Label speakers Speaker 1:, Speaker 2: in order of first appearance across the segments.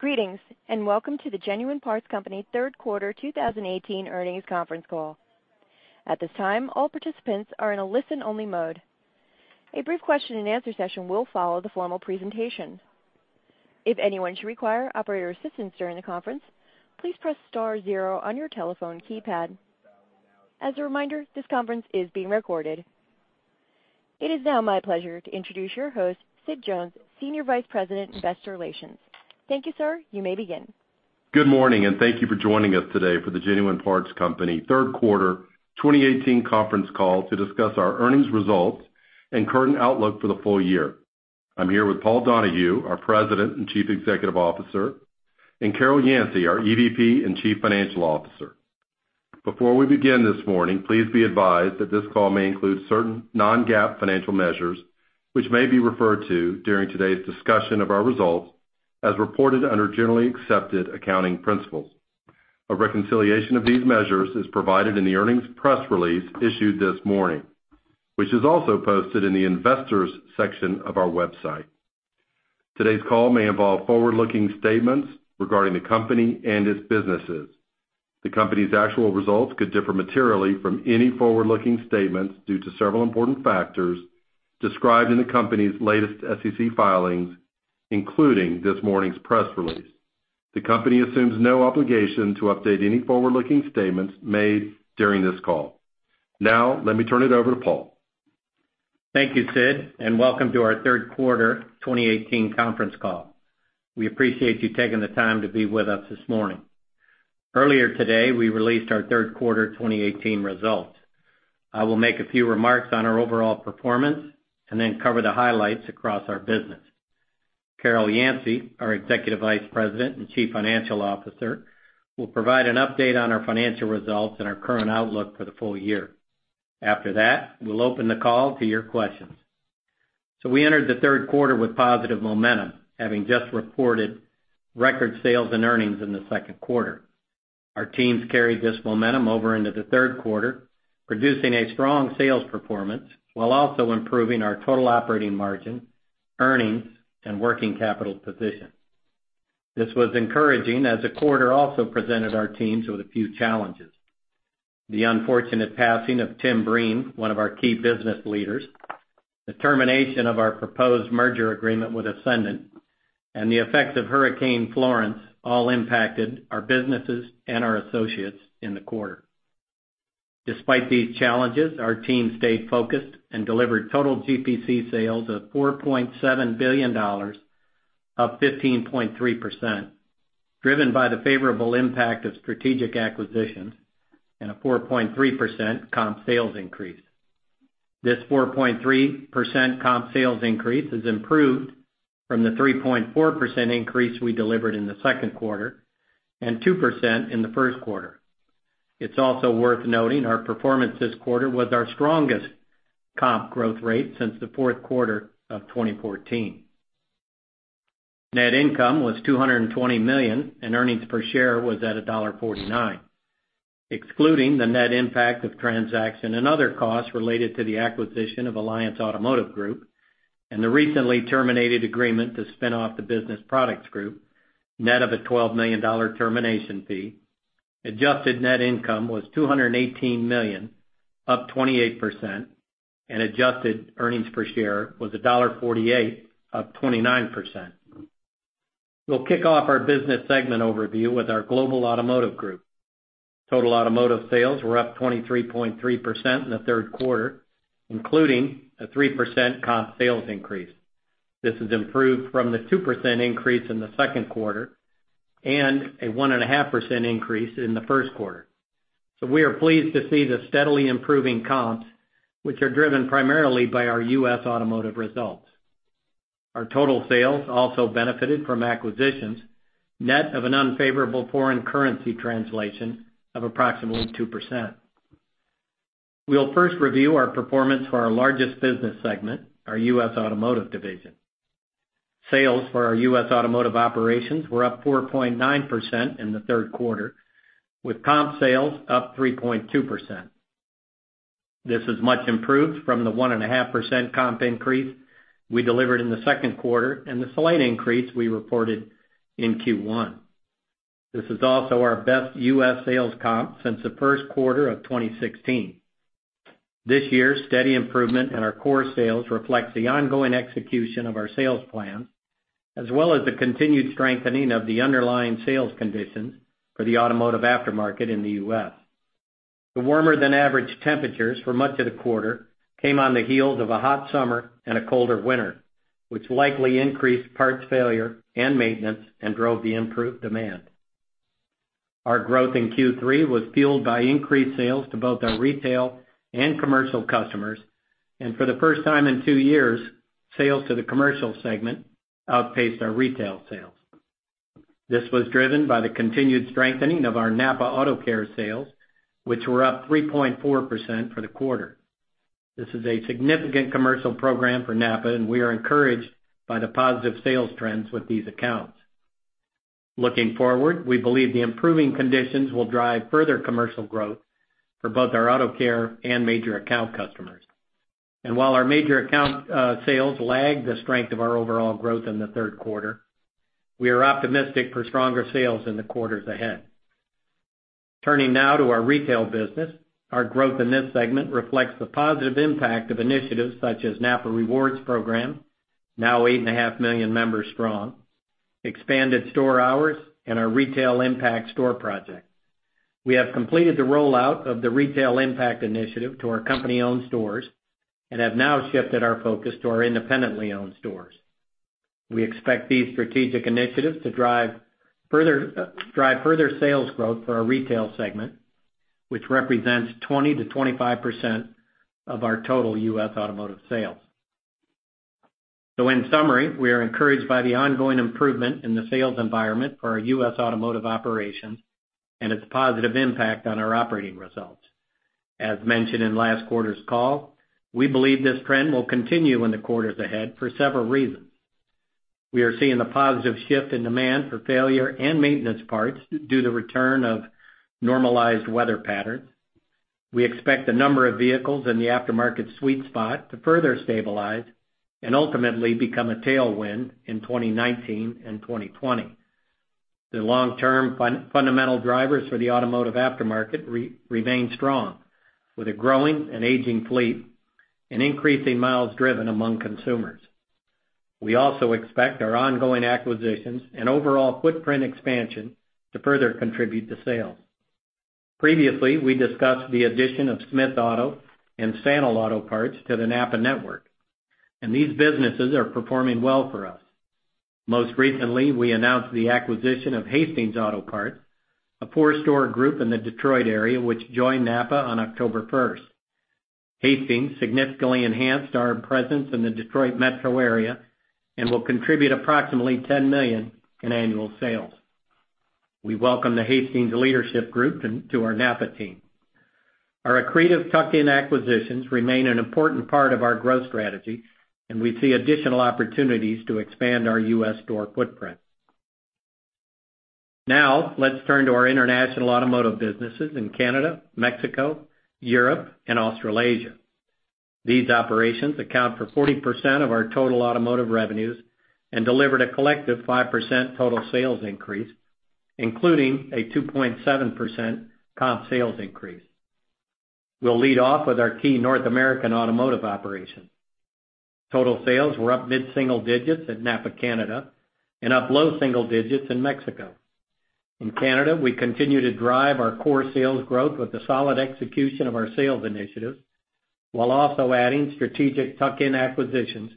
Speaker 1: Greetings, welcome to the Genuine Parts Company third quarter 2018 earnings conference call. At this time, all participants are in a listen-only mode. A brief question and answer session will follow the formal presentation. If anyone should require operator assistance during the conference, please press star zero on your telephone keypad. As a reminder, this conference is being recorded. It is now my pleasure to introduce your host, Sid Jones, Senior Vice President, Investor Relations. Thank you, sir. You may begin.
Speaker 2: Good morning, thank you for joining us today for the Genuine Parts Company third quarter 2018 conference call to discuss our earnings results and current outlook for the full year. I'm here with Paul Donahue, our President and Chief Executive Officer, and Carol Yancey, our EVP and Chief Financial Officer. Before we begin this morning, please be advised that this call may include certain non-GAAP financial measures, which may be referred to during today's discussion of our results as reported under generally accepted accounting principles. A reconciliation of these measures is provided in the earnings press release issued this morning, which is also posted in the Investors section of our website. Today's call may involve forward-looking statements regarding the company and its businesses. The company's actual results could differ materially from any forward-looking statements due to several important factors described in the company's latest SEC filings, including this morning's press release. The company assumes no obligation to update any forward-looking statements made during this call. Let me turn it over to Paul.
Speaker 3: Thank you, Sid, welcome to our third quarter 2018 conference call. We appreciate you taking the time to be with us this morning. Earlier today, we released our third quarter 2018 results. I will make a few remarks on our overall performance then cover the highlights across our business. Carol Yancey, our Executive Vice President and Chief Financial Officer, will provide an update on our financial results and our current outlook for the full year. After that, we'll open the call to your questions. We entered the third quarter with positive momentum, having just reported record sales and earnings in the second quarter. Our teams carried this momentum over into the third quarter, producing a strong sales performance while also improving our total operating margin, earnings, and working capital position. This was encouraging as the quarter also presented our teams with a few challenges. The unfortunate passing of Tim Breen, one of our key business leaders, the termination of our proposed merger agreement with Essendant, and the effects of Hurricane Florence all impacted our businesses and our associates in the quarter. Despite these challenges, our team stayed focused and delivered total GPC sales of $4.7 billion, up 15.3%, driven by the favorable impact of strategic acquisitions and a 4.3% comp sales increase. This 4.3% comp sales increase is improved from the 3.4% increase we delivered in the second quarter and 2% in the first quarter. It is also worth noting our performance this quarter was our strongest comp growth rate since the fourth quarter of 2014. Net income was $220 million, and earnings per share was at $1.49. Excluding the net impact of transaction and other costs related to the acquisition of Alliance Automotive Group and the recently terminated agreement to spin off the Business Products Group, net of a $12 million termination fee, adjusted net income was $218 million, up 28%, and adjusted earnings per share was $1.48, up 29%. We will kick off our business segment overview with our Global Automotive Group. Total automotive sales were up 23.3% in the third quarter, including a 3% comp sales increase. This is improved from the 2% increase in the second quarter and a 1.5% increase in the first quarter. We are pleased to see the steadily improving comps, which are driven primarily by our U.S. Automotive results. Our total sales also benefited from acquisitions, net of an unfavorable foreign currency translation of approximately 2%. We will first review our performance for our largest business segment, our U.S. Automotive division. Sales for our U.S. Automotive operations were up 4.9% in the third quarter, with comp sales up 3.2%. This is much improved from the 1.5% comp increase we delivered in the second quarter and the slight increase we reported in Q1. This is also our best U.S. sales comp since the first quarter of 2016. This year, steady improvement in our core sales reflects the ongoing execution of our sales plan, as well as the continued strengthening of the underlying sales conditions for the automotive aftermarket in the U.S. The warmer-than-average temperatures for much of the quarter came on the heels of a hot summer and a colder winter, which likely increased parts failure and maintenance and drove the improved demand. Our growth in Q3 was fueled by increased sales to both our retail and commercial customers, and for the first time in two years, sales to the commercial segment outpaced our retail sales. This was driven by the continued strengthening of our NAPA AutoCare sales, which were up 3.4% for the quarter. This is a significant commercial program for NAPA, and we are encouraged by the positive sales trends with these accounts. Looking forward, we believe the improving conditions will drive further commercial growth for both our AutoCare and major account customers. While our major account sales lagged the strength of our overall growth in the third quarter, we are optimistic for stronger sales in the quarters ahead. Turning now to our retail business. Our growth in this segment reflects the positive impact of initiatives such as NAPA Rewards program, now 8.5 million members strong, expanded store hours, and our Retail Impact Store project. We have completed the rollout of the Retail Impact initiative to our company-owned stores and have now shifted our focus to our independently owned stores. We expect these strategic initiatives to drive further sales growth for our retail segment, which represents 20%-25% of our total U.S. automotive sales. In summary, we are encouraged by the ongoing improvement in the sales environment for our U.S. automotive operations and its positive impact on our operating results. As mentioned in last quarter's call, we believe this trend will continue in the quarters ahead for several reasons. We are seeing the positive shift in demand for failure and maintenance parts due to the return of normalized weather patterns. We expect the number of vehicles in the aftermarket sweet spot to further stabilize and ultimately become a tailwind in 2019 and 2020. The long-term fundamental drivers for the automotive aftermarket remain strong, with a growing and aging fleet and increasing miles driven among consumers. We also expect our ongoing acquisitions and overall footprint expansion to further contribute to sales. Previously, we discussed the addition of Smith Auto and Sanel Auto Parts to the NAPA network, and these businesses are performing well for us. Most recently, we announced the acquisition of Hastings Auto Parts, a four-store group in the Detroit area, which joined NAPA on October 1st. Hastings significantly enhanced our presence in the Detroit metro area and will contribute approximately $10 million in annual sales. We welcome the Hastings leadership group to our NAPA team. Our accretive tuck-in acquisitions remain an important part of our growth strategy, and we see additional opportunities to expand our U.S. store footprint. Let's turn to our international automotive businesses in Canada, Mexico, Europe, and Australasia. These operations account for 40% of our total automotive revenues and delivered a collective 5% total sales increase, including a 2.7% comp sales increase. We'll lead off with our key North American automotive operation. Total sales were up mid-single digits at NAPA Canada and up low single digits in Mexico. In Canada, we continue to drive our core sales growth with the solid execution of our sales initiatives while also adding strategic tuck-in acquisitions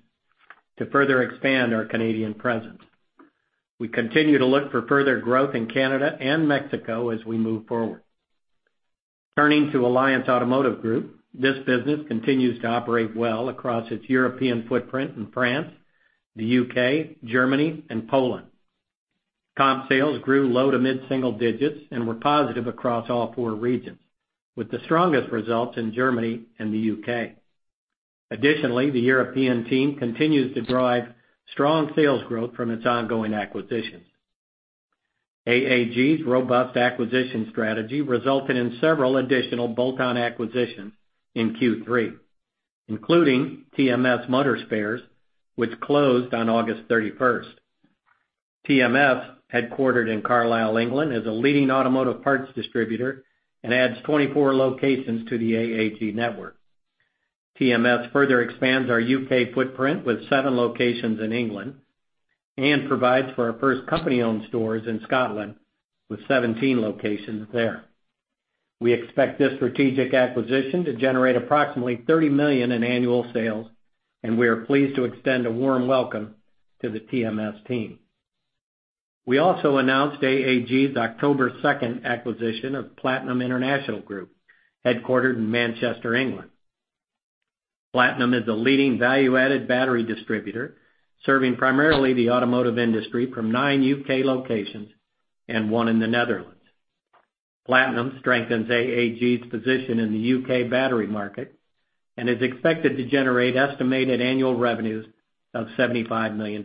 Speaker 3: to further expand our Canadian presence. We continue to look for further growth in Canada and Mexico as we move forward. Turning to Alliance Automotive Group, this business continues to operate well across its European footprint in France, the U.K., Germany, and Poland. Comp sales grew low to mid-single digits and were positive across all four regions, with the strongest results in Germany and the U.K. Additionally, the European team continues to drive strong sales growth from its ongoing acquisitions. AAG's robust acquisition strategy resulted in several additional bolt-on acquisitions in Q3, including TMS Motor Spares, which closed on August 31st. TMS, headquartered in Carlisle, England, is a leading automotive parts distributor and adds 24 locations to the AAG network. TMS further expands our U.K. footprint with seven locations in England and provides for our first company-owned stores in Scotland, with 17 locations there. We expect this strategic acquisition to generate approximately $30 million in annual sales. We are pleased to extend a warm welcome to the TMS team. We also announced AAG's October 2nd acquisition of Platinum International Group, headquartered in Manchester, England. Platinum is a leading value-added battery distributor, serving primarily the automotive industry from nine U.K. locations and one in the Netherlands. Platinum strengthens AAG's position in the U.K. battery market and is expected to generate estimated annual revenues of $75 million.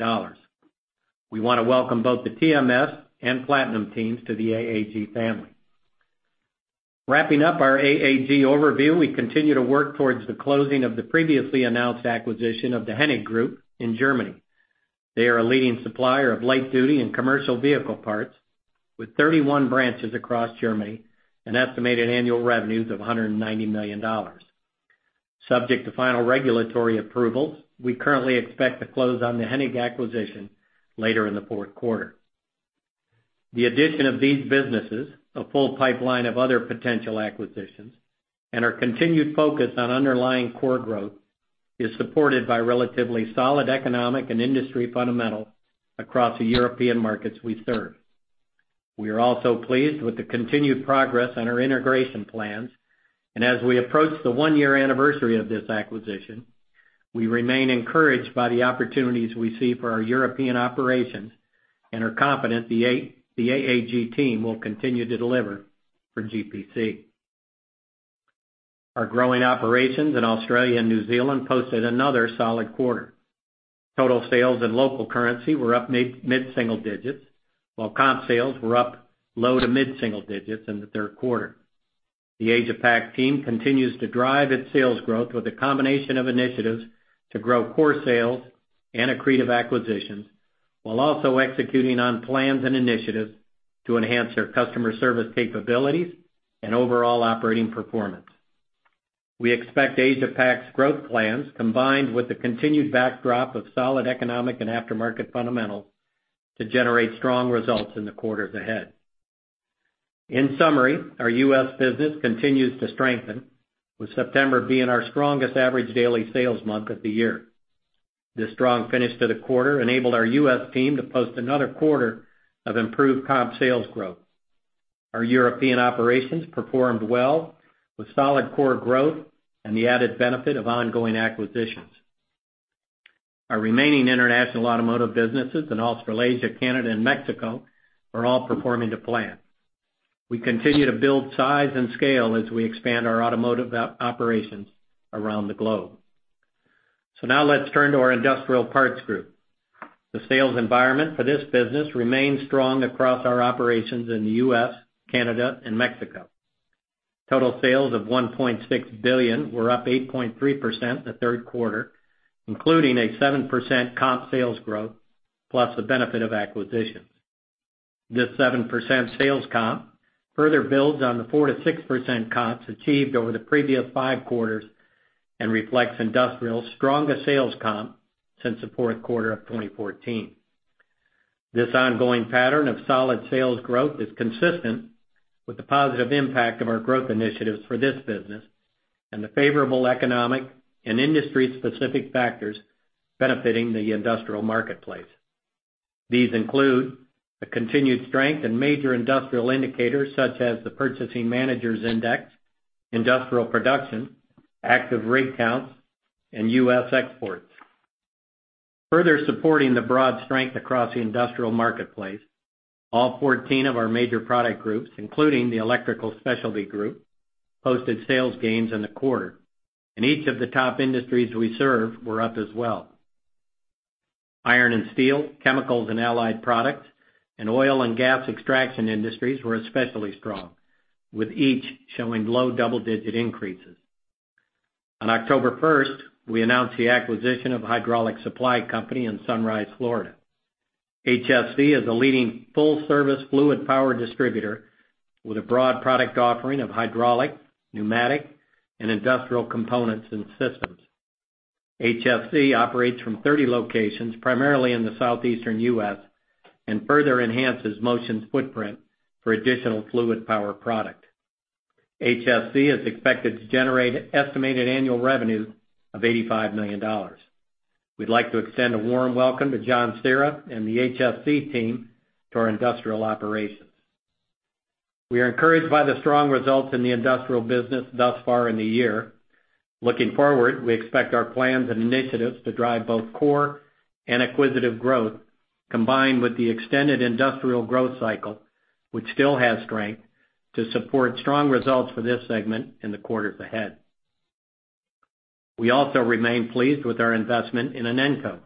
Speaker 3: We want to welcome both the TMS and Platinum teams to the AAG family. Wrapping up our AAG overview, we continue to work towards the closing of the previously announced acquisition of the Hennig Group in Germany. They are a leading supplier of light-duty and commercial vehicle parts with 31 branches across Germany and estimated annual revenues of $190 million. Subject to final regulatory approvals, we currently expect to close on the Hennig acquisition later in the fourth quarter. The addition of these businesses, a full pipeline of other potential acquisitions, and our continued focus on underlying core growth is supported by relatively solid economic and industry fundamentals across the European markets we serve. We are also pleased with the continued progress on our integration plans, and as we approach the one-year anniversary of this acquisition, we remain encouraged by the opportunities we see for our European operations and are confident the AAG team will continue to deliver for GPC. Our growing operations in Australia and New Zealand posted another solid quarter. Total sales in local currency were up mid-single digits, while comp sales were up low to mid-single digits in the third quarter. The Asia-Pac team continues to drive its sales growth with a combination of initiatives to grow core sales and accretive acquisitions, while also executing on plans and initiatives to enhance their customer service capabilities and overall operating performance. We expect Asia-Pac's growth plans, combined with the continued backdrop of solid economic and aftermarket fundamentals, to generate strong results in the quarters ahead. In summary, our U.S. business continues to strengthen, with September being our strongest average daily sales month of the year. This strong finish to the quarter enabled our U.S. team to post another quarter of improved comp sales growth. Our European operations performed well, with solid core growth and the added benefit of ongoing acquisitions. Our remaining international automotive businesses in Australasia, Canada, and Mexico are all performing to plan. We continue to build size and scale as we expand our automotive operations around the globe. Now let's turn to our industrial parts group. The sales environment for this business remains strong across our operations in the U.S., Canada, and Mexico. Total sales of $1.6 billion were up 8.3% in the third quarter, including a 7% comp sales growth, plus the benefit of acquisitions. This 7% sales comp further builds on the 4%-6% comps achieved over the previous five quarters and reflects Industrial's strongest sales comp since the fourth quarter of 2014. This ongoing pattern of solid sales growth is consistent with the positive impact of our growth initiatives for this business and the favorable economic and industry-specific factors benefiting the industrial marketplace. These include the continued strength in major industrial indicators such as the Purchasing Managers' Index, industrial production, active rig counts, and U.S. exports. Further supporting the broad strength across the industrial marketplace, all 14 of our major product groups, including the electrical specialty group, posted sales gains in the quarter, and each of the top industries we serve were up as well. Iron and steel, chemicals and allied products, and oil and gas extraction industries were especially strong, with each showing low double-digit increases. On October 1st, we announced the acquisition of Hydraulic Supply Company in Sunrise, Florida. HSC is a leading full-service fluid power distributor with a broad product offering of hydraulic, pneumatic, and industrial components and systems. HSC operates from 30 locations, primarily in the Southeastern U.S., and further enhances Motion's footprint for additional fluid power product. HSC is expected to generate estimated annual revenue of $85 million. We'd like to extend a warm welcome to John Cira and the HSC team to our industrial operations. We are encouraged by the strong results in the industrial business thus far in the year. Looking forward, we expect our plans and initiatives to drive both core and acquisitive growth, combined with the extended industrial growth cycle, which still has strength to support strong results for this segment in the quarters ahead. We also remain pleased with our investment in Inenco,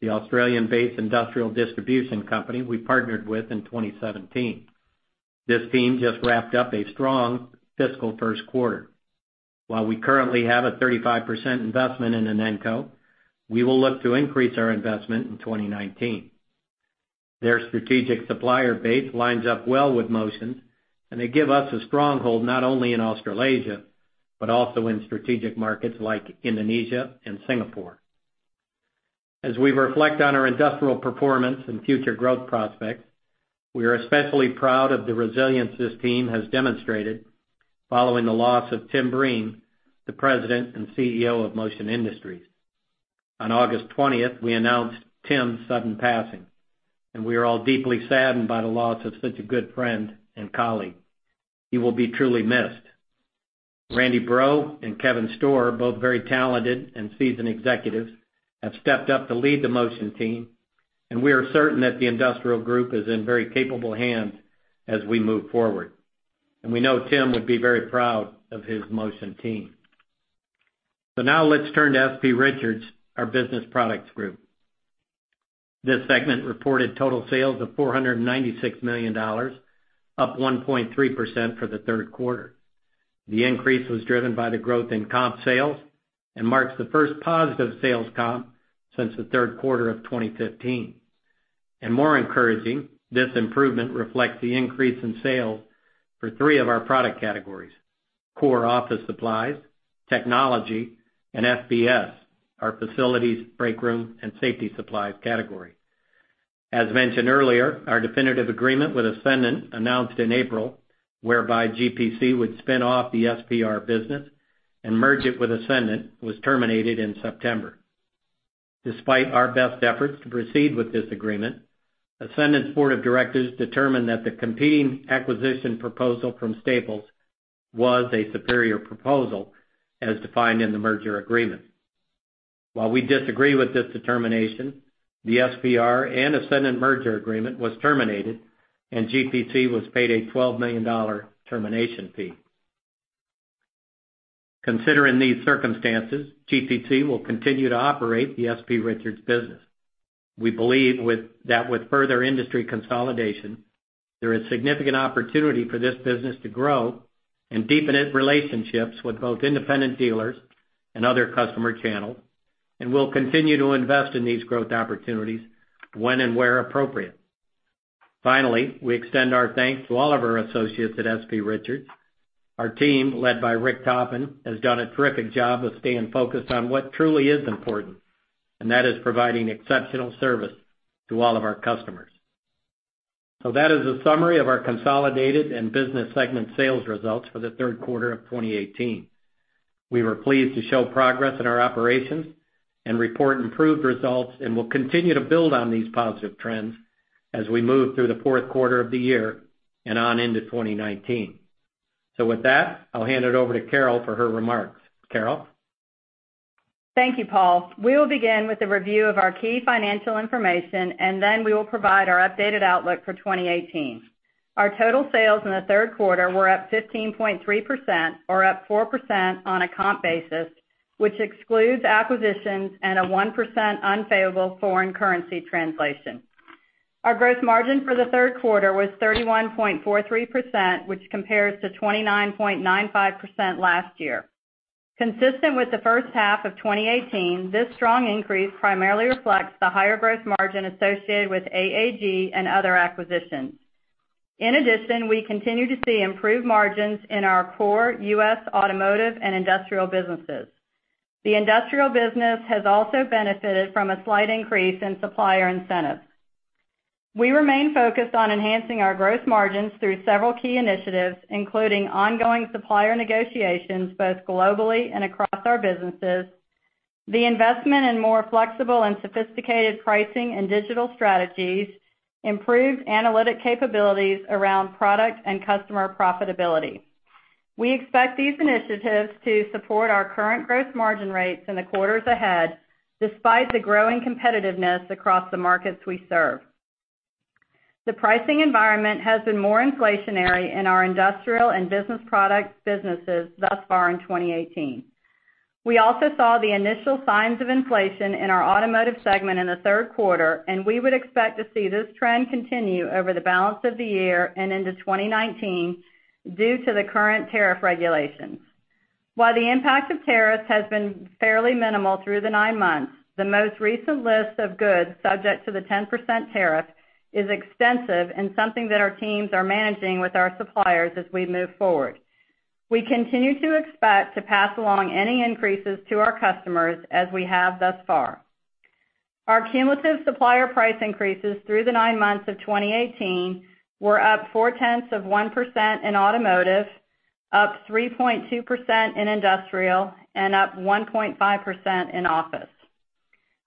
Speaker 3: the Australian-based industrial distribution company we partnered with in 2017. This team just wrapped up a strong fiscal first quarter. While we currently have a 35% investment in Inenco, we will look to increase our investment in 2019. Their strategic supplier base lines up well with Motion, they give us a stronghold not only in Australasia, but also in strategic markets like Indonesia and Singapore. As we reflect on our industrial performance and future growth prospects, we are especially proud of the resilience this team has demonstrated following the loss of Tim Breen, the President and CEO of Motion Industries. On August 20th, we announced Tim's sudden passing, and we are all deeply saddened by the loss of such a good friend and colleague. He will be truly missed. Randy Breaux and Kevin Storer, both very talented and seasoned executives, have stepped up to lead the Motion team, and we are certain that the industrial group is in very capable hands as we move forward. We know Tim would be very proud of his Motion team. Now let's turn to S.P. Richards, our Business Products Group. This segment reported total sales of $496 million, up 1.3% for the third quarter. The increase was driven by the growth in comp sales and marks the first positive sales comp since the third quarter of 2015. More encouraging, this improvement reflects the increase in sales for three of our product categories: core office supplies, technology, and FBS, our facilities, breakroom, and safety supplies category. As mentioned earlier, our definitive agreement with Essendant, announced in April, whereby GPC would spin off the SPR business and merge it with Essendant, was terminated in September. Despite our best efforts to proceed with this agreement, Essendant's board of directors determined that the competing acquisition proposal from Staples was a superior proposal as defined in the merger agreement. While we disagree with this determination, the SPR and Essendant merger agreement was terminated, and GPC was paid a $12 million termination fee. Considering these circumstances, GPC will continue to operate the S.P. Richards business. We believe that with further industry consolidation, there is significant opportunity for this business to grow and deepen its relationships with both independent dealers and other customer channels, and we'll continue to invest in these growth opportunities when and where appropriate. Finally, we extend our thanks to all of our associates at S.P. Richards. Our team, led by Rick Toppin, has done a terrific job of staying focused on what truly is important, and that is providing exceptional service to all of our customers. That is a summary of our consolidated and business segment sales results for the third quarter of 2018. We were pleased to show progress in our operations and report improved results, and we'll continue to build on these positive trends as we move through the fourth quarter of the year and on into 2019. With that, I'll hand it over to Carol for her remarks. Carol?
Speaker 4: Thank you, Paul. We will begin with a review of our key financial information. Then we will provide our updated outlook for 2018. Our total sales in the third quarter were up 15.3%, or up 4% on a comp basis, which excludes acquisitions and a 1% unfavorable foreign currency translation. Our gross margin for the third quarter was 31.43%, which compares to 29.95% last year. Consistent with the first half of 2018, this strong increase primarily reflects the higher gross margin associated with AAG and other acquisitions. In addition, we continue to see improved margins in our core U.S. automotive and industrial businesses. The industrial business has also benefited from a slight increase in supplier incentives. We remain focused on enhancing our gross margins through several key initiatives, including ongoing supplier negotiations both globally and across our businesses, the investment in more flexible and sophisticated pricing and digital strategies, improved analytic capabilities around product and customer profitability. We expect these initiatives to support our current gross margin rates in the quarters ahead, despite the growing competitiveness across the markets we serve. The pricing environment has been more inflationary in our industrial and business product businesses thus far in 2018. We also saw the initial signs of inflation in our automotive segment in the third quarter. We would expect to see this trend continue over the balance of the year and into 2019 due to the current tariff regulations. While the impact of tariffs has been fairly minimal through the nine months, the most recent list of goods subject to the 10% tariff is extensive and something that our teams are managing with our suppliers as we move forward. We continue to expect to pass along any increases to our customers as we have thus far. Our cumulative supplier price increases through the nine months of 2018 were up four-tenths of 1% in automotive, up 3.2% in industrial, and up 1.5% in office.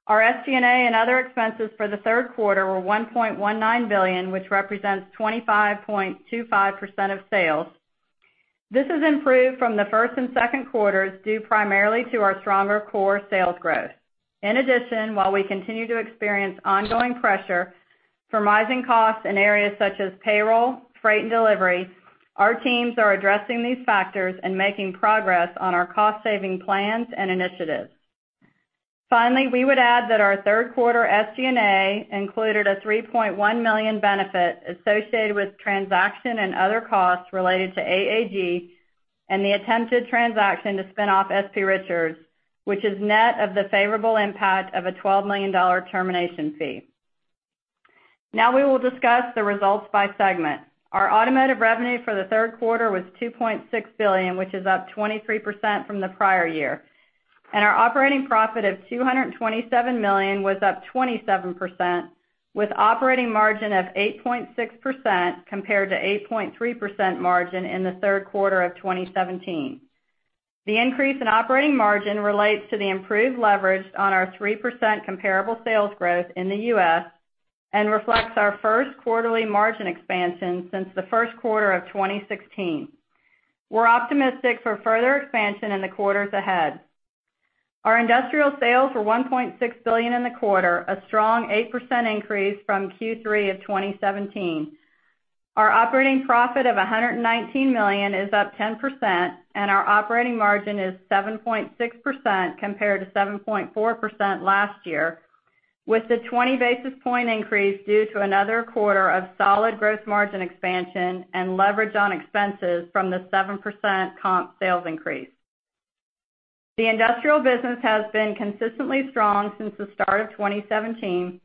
Speaker 4: Our SG&A and other expenses for the third quarter were $1.19 billion, which represents 25.25% of sales. This has improved from the first and second quarters due primarily to our stronger core sales growth. In addition, while we continue to experience ongoing pressure from rising costs in areas such as payroll, freight, and delivery, our teams are addressing these factors and making progress on our cost-saving plans and initiatives. Finally, we would add that our third quarter SG&A included a $3.1 million benefit associated with transaction and other costs related to AAG and the attempted transaction to spin off S.P. Richards, which is net of the favorable impact of a $12 million termination fee. Now we will discuss the results by segment. Our automotive revenue for the third quarter was $2.6 billion, which is up 23% from the prior year. Our operating profit of $227 million was up 27%, with operating margin of 8.6%, compared to 8.3% margin in the third quarter of 2017. The increase in operating margin relates to the improved leverage on our 3% comparable sales growth in the U.S. and reflects our first quarterly margin expansion since the first quarter of 2016. We're optimistic for further expansion in the quarters ahead. Our industrial sales were $1.6 billion in the quarter, a strong 8% increase from Q3 of 2017. Our operating profit of $119 million is up 10%, our operating margin is 7.6% compared to 7.4% last year, with the 20-basis point increase due to another quarter of solid gross margin expansion and leverage on expenses from the 7% comp sales increase. The industrial business has been consistently strong since the start of 2017,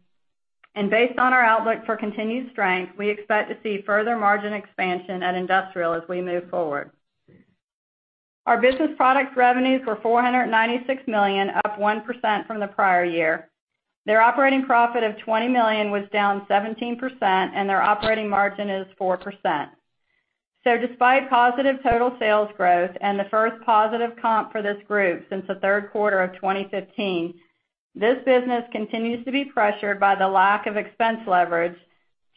Speaker 4: and based on our outlook for continued strength, we expect to see further margin expansion at industrial as we move forward. Our business product revenues were $496 million, up 1% from the prior year. Their operating profit of $20 million was down 17%, their operating margin is 4%. Despite positive total sales growth and the first positive comp for this group since the third quarter of 2015, this business continues to be pressured by the lack of expense leverage,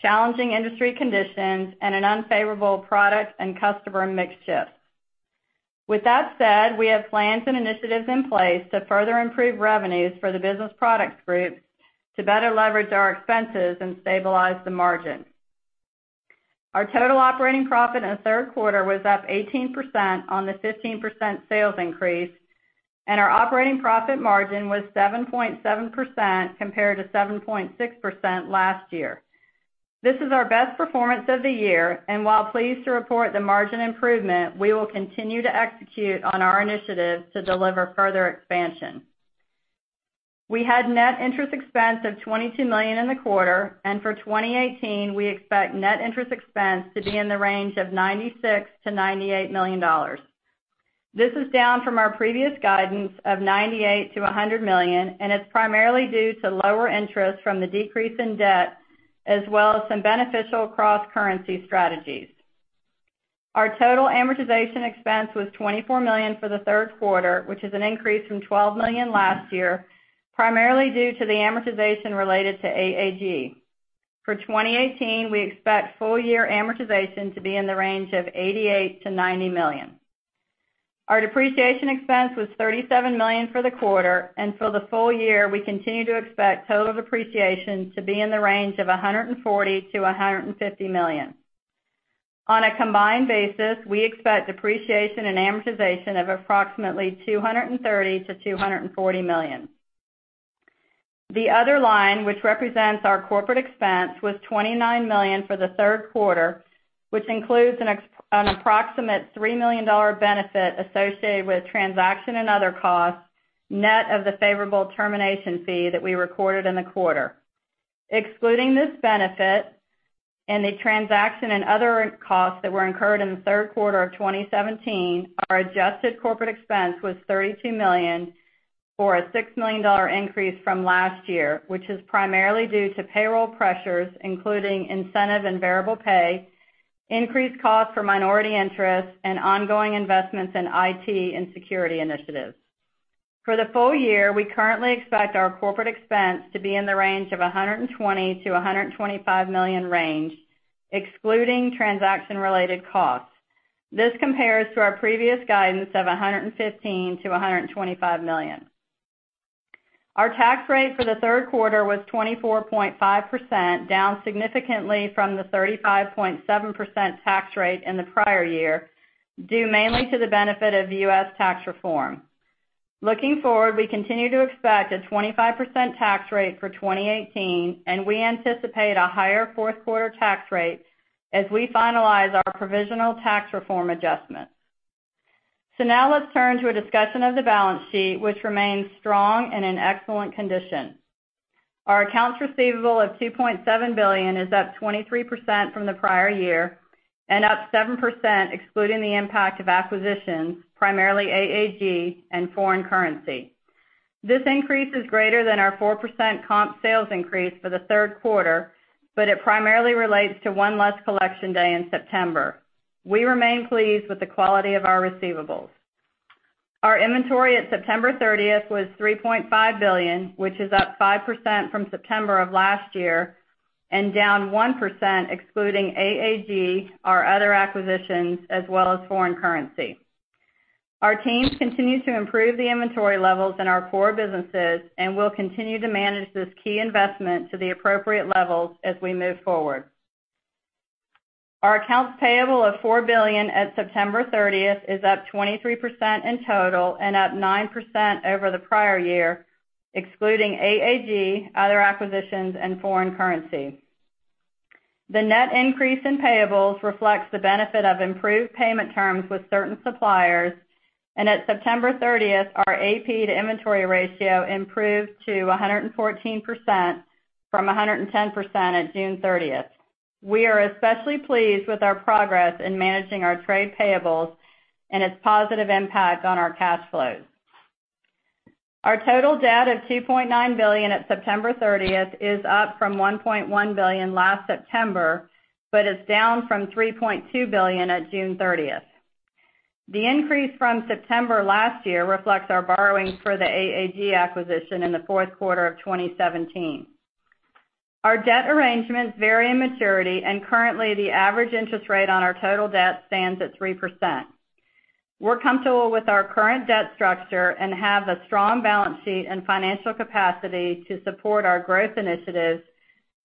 Speaker 4: challenging industry conditions, and an unfavorable product and customer mix shift. With that said, we have plans and initiatives in place to further improve revenues for the Business Products Group to better leverage our expenses and stabilize the margin. Our total operating profit in the third quarter was up 18% on the 15% sales increase, our operating profit margin was 7.7% compared to 7.6% last year. This is our best performance of the year, while pleased to report the margin improvement, we will continue to execute on our initiatives to deliver further expansion. We had net interest expense of $22 million in the quarter. For 2018, we expect net interest expense to be in the range of $96 million-$98 million. This is down from our previous guidance of $98 million-$100 million, and it's primarily due to lower interest from the decrease in debt, as well as some beneficial cross-currency strategies. Our total amortization expense was $24 million for the third quarter, which is an increase from $12 million last year, primarily due to the amortization related to AAG. For 2018, we expect full year amortization to be in the range of $88 million-$90 million. Our depreciation expense was $37 million for the quarter, and for the full year, we continue to expect total depreciation to be in the range of $140 million-$150 million. On a combined basis, we expect depreciation and amortization of approximately $230 million-$240 million. The other line, which represents our corporate expense, was $29 million for the third quarter, which includes an approximate $3 million benefit associated with transaction and other costs, net of the favorable termination fee that we recorded in the quarter. Excluding this benefit and the transaction and other costs that were incurred in the third quarter of 2017, our adjusted corporate expense was $32 million, or a $6 million increase from last year, which is primarily due to payroll pressures, including incentive and variable pay, increased costs for minority interests, and ongoing investments in IT and security initiatives. For the full year, we currently expect our corporate expense to be in the range of $120 million-$125 million, excluding transaction-related costs. This compares to our previous guidance of $115 million-$125 million. Our tax rate for the third quarter was 24.5%, down significantly from the 35.7% tax rate in the prior year, due mainly to the benefit of U.S. tax reform. Looking forward, we continue to expect a 25% tax rate for 2018. We anticipate a higher fourth quarter tax rate as we finalize our provisional tax reform adjustments. Now let's turn to a discussion of the balance sheet, which remains strong and in excellent condition. Our accounts receivable of $2.7 billion is up 23% from the prior year and up 7% excluding the impact of acquisitions, primarily AAG and foreign currency. This increase is greater than our 4% comp sales increase for the third quarter, but it primarily relates to one less collection day in September. We remain pleased with the quality of our receivables. Our inventory at September 30th was $3.5 billion, which is up 5% from September of last year and down 1% excluding AAG, our other acquisitions, as well as foreign currency. Our teams continue to improve the inventory levels in our core businesses and will continue to manage this key investment to the appropriate levels as we move forward. Our accounts payable of $4 billion at September 30th is up 23% in total and up 9% over the prior year, excluding AAG, other acquisitions, and foreign currency. The net increase in payables reflects the benefit of improved payment terms with certain suppliers. At September 30th, our AP to inventory ratio improved to 114% from 110% at June 30th. We are especially pleased with our progress in managing our trade payables and its positive impact on our cash flows. Our total debt of $2.9 billion at September 30th is up from $1.1 billion last September, but is down from $3.2 billion at June 30th. The increase from September last year reflects our borrowing for the AAG acquisition in the fourth quarter of 2017. Our debt arrangements vary in maturity and currently, the average interest rate on our total debt stands at 3%. We're comfortable with our current debt structure and have a strong balance sheet and financial capacity to support our growth initiatives,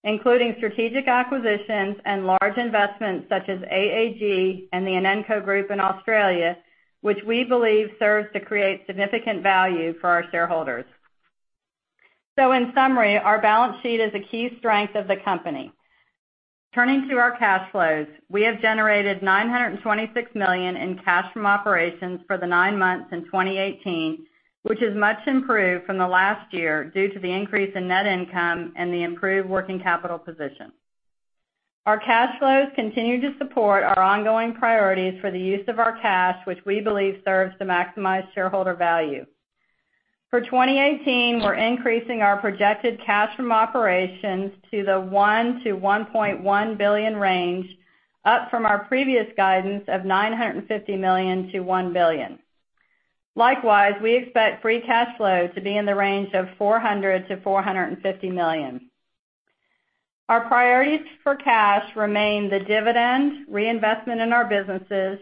Speaker 4: including strategic acquisitions and large investments such as AAG and the Inenco Group in Australia, which we believe serves to create significant value for our shareholders. In summary, our balance sheet is a key strength of the company. Turning to our cash flows, we have generated $926 million in cash from operations for the nine months in 2018, which is much improved from the last year due to the increase in net income and the improved working capital position. Our cash flows continue to support our ongoing priorities for the use of our cash, which we believe serves to maximize shareholder value. For 2018, we're increasing our projected cash from operations to the $1 billion-$1.1 billion range, up from our previous guidance of $950 million-$1 billion. Likewise, we expect free cash flow to be in the range of $400 million-$450 million. Our priorities for cash remain the dividend, reinvestment in our businesses,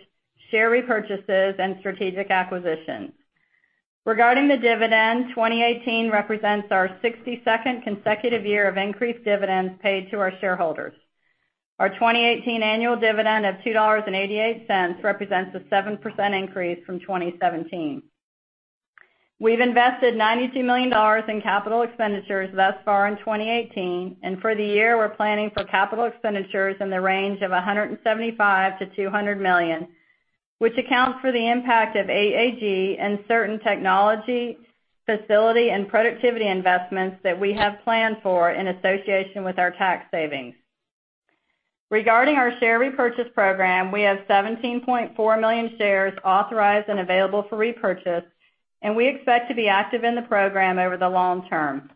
Speaker 4: share repurchases, and strategic acquisitions. Regarding the dividend, 2018 represents our 62nd consecutive year of increased dividends paid to our shareholders. Our 2018 annual dividend of $2.88 represents a 7% increase from 2017. We've invested $92 million in capital expenditures thus far in 2018, and for the year, we're planning for capital expenditures in the range of $175 million-$200 million, which accounts for the impact of AAG and certain technology, facility, and productivity investments that we have planned for in association with our tax savings. Regarding our share repurchase program, we have 17.4 million shares authorized and available for repurchase, and we expect to be active in the program over the long term.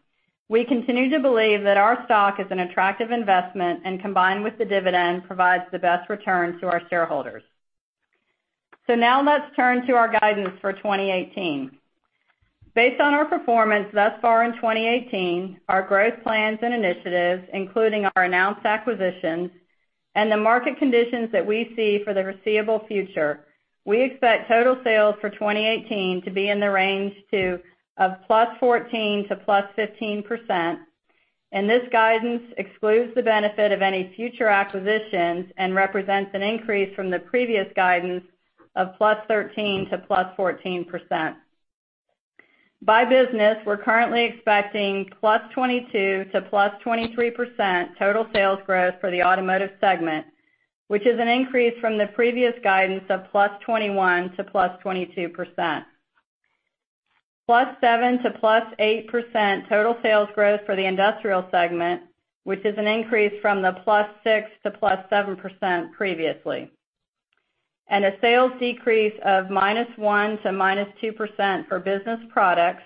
Speaker 4: We continue to believe that our stock is an attractive investment and combined with the dividend, provides the best return to our shareholders. Now let's turn to our guidance for 2018. Based on our performance thus far in 2018, our growth plans and initiatives, including our announced acquisitions and the market conditions that we see for the foreseeable future, we expect total sales for 2018 to be in the range of +14%-+15%. This guidance excludes the benefit of any future acquisitions and represents an increase from the previous guidance of +13%-+14%. By business, we're currently expecting +22%-+23% total sales growth for the automotive segment, which is an increase from the previous guidance of +21%-+22%. +7%-+8% total sales growth for the industrial segment, which is an increase from the +6%-+7% previously. A sales decrease of -1%--2% for business products,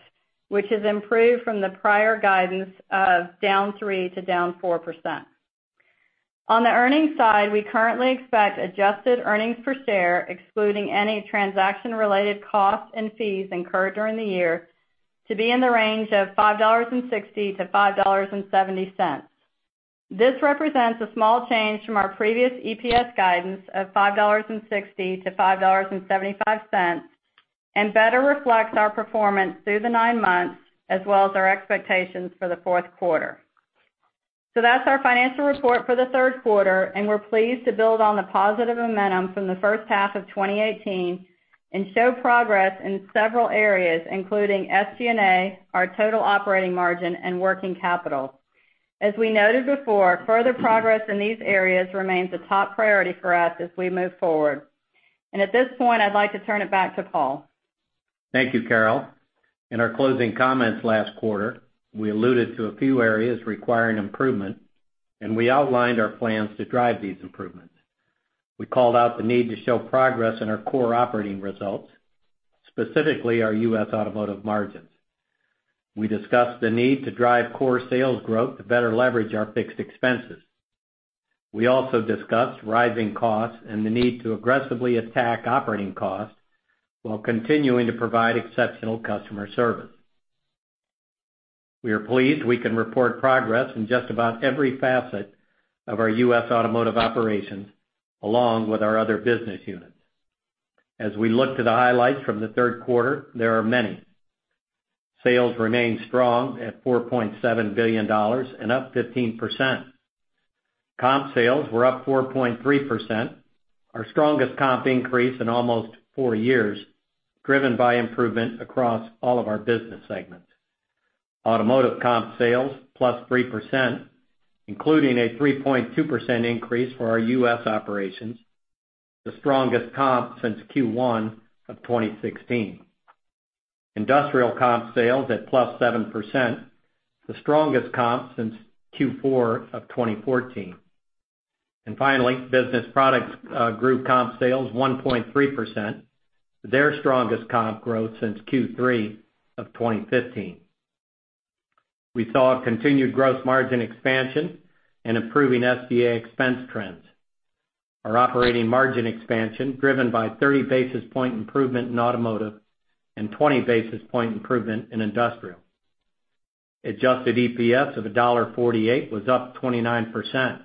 Speaker 4: which has improved from the prior guidance of -3%--4%. On the earnings side, we currently expect adjusted earnings per share, excluding any transaction-related costs and fees incurred during the year, to be in the range of $5.60 to $5.70. This represents a small change from our previous EPS guidance of $5.60 to $5.75, and better reflects our performance through the nine months, as well as our expectations for the fourth quarter. That's our financial report for the third quarter, and we're pleased to build on the positive momentum from the first half of 2018 and show progress in several areas, including SG&A, our total operating margin, and working capital. As we noted before, further progress in these areas remains a top priority for us as we move forward. At this point, I'd like to turn it back to Paul.
Speaker 3: Thank you, Carol. In our closing comments last quarter, we alluded to a few areas requiring improvement, and we outlined our plans to drive these improvements. We called out the need to show progress in our core operating results, specifically our U.S. automotive margins. We discussed the need to drive core sales growth to better leverage our fixed expenses. We also discussed rising costs and the need to aggressively attack operating costs while continuing to provide exceptional customer service. We are pleased we can report progress in just about every facet of our U.S. automotive operations, along with our other business units. As we look to the highlights from the third quarter, there are many. Sales remained strong at $4.7 billion and up 15%. Comp sales were up 4.3%, our strongest comp increase in almost four years, driven by improvement across all of our business segments. Automotive comp sales plus 3%, including a 3.2% increase for our U.S. operations, the strongest comp since Q1 of 2016. Industrial comp sales at plus 7%, the strongest comp since Q4 of 2014. Finally, business products grew comp sales 1.3%, their strongest comp growth since Q3 of 2015. We saw a continued gross margin expansion and improving SG&A expense trends. Our operating margin expansion driven by 30 basis point improvement in automotive and 20 basis point improvement in industrial. Adjusted EPS of $1.48 was up 29%.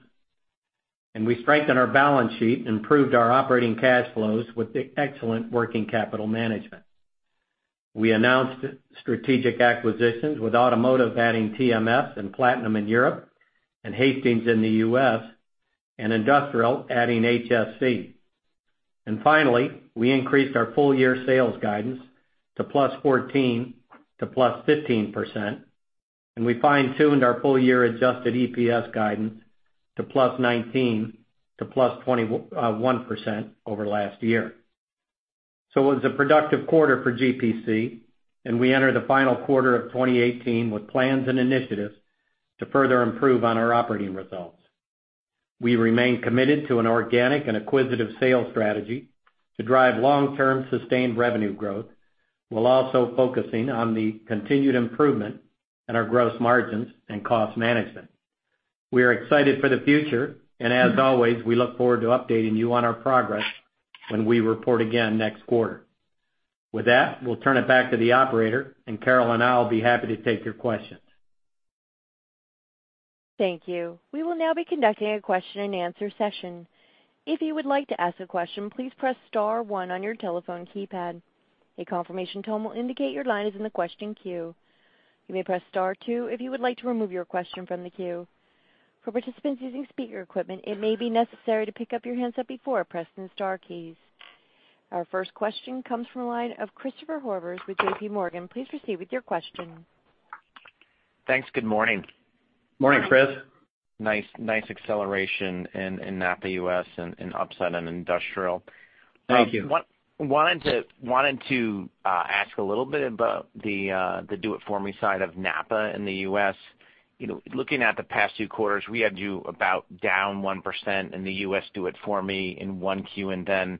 Speaker 3: We strengthened our balance sheet, improved our operating cash flows with excellent working capital management. We announced strategic acquisitions with automotive adding TMS and Platinum in Europe and Hastings in the U.S. and Industrial adding HSC. Finally, we increased our full year sales guidance to +14% to +15%, and we fine-tuned our full year adjusted EPS guidance to +19% to +21% over last year. It was a productive quarter for GPC, and we enter the final quarter of 2018 with plans and initiatives to further improve on our operating results. We remain committed to an organic and acquisitive sales strategy to drive long-term sustained revenue growth, while also focusing on the continued improvement in our gross margins and cost management. We are excited for the future, as always, we look forward to updating you on our progress when we report again next quarter. With that, we'll turn it back to the operator, Carol and I will be happy to take your questions.
Speaker 1: Thank you. We will now be conducting a question and answer session. If you would like to ask a question, please press star one on your telephone keypad. A confirmation tone will indicate your line is in the question queue. You may press star two if you would like to remove your question from the queue. For participants using speaker equipment, it may be necessary to pick up your handset before pressing the star keys. Our first question comes from the line of Christopher Horvers with JPMorgan. Please proceed with your question.
Speaker 5: Thanks. Good morning.
Speaker 3: Morning, Chris.
Speaker 5: Nice acceleration in NAPA U.S., and upside in industrial.
Speaker 3: Thank you.
Speaker 5: Wanted to ask a little bit about the Do It For Me side of NAPA in the U.S. Looking at the past two quarters, we had you about down 1% in the U.S. Do It For Me in 1Q, and then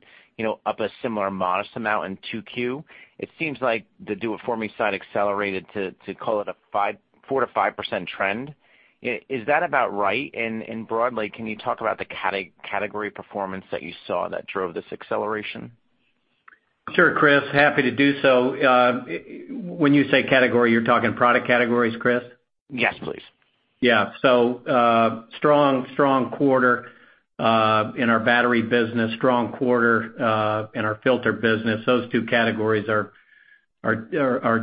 Speaker 5: up a similar modest amount in 2Q. It seems like the Do It For Me side accelerated to call it a 4%-5% trend. Is that about right? Broadly, can you talk about the category performance that you saw that drove this acceleration?
Speaker 3: Sure, Chris. Happy to do so. When you say category, you're talking product categories, Chris?
Speaker 5: Yes, please.
Speaker 3: Strong quarter in our battery business, strong quarter in our filter business. Those two categories are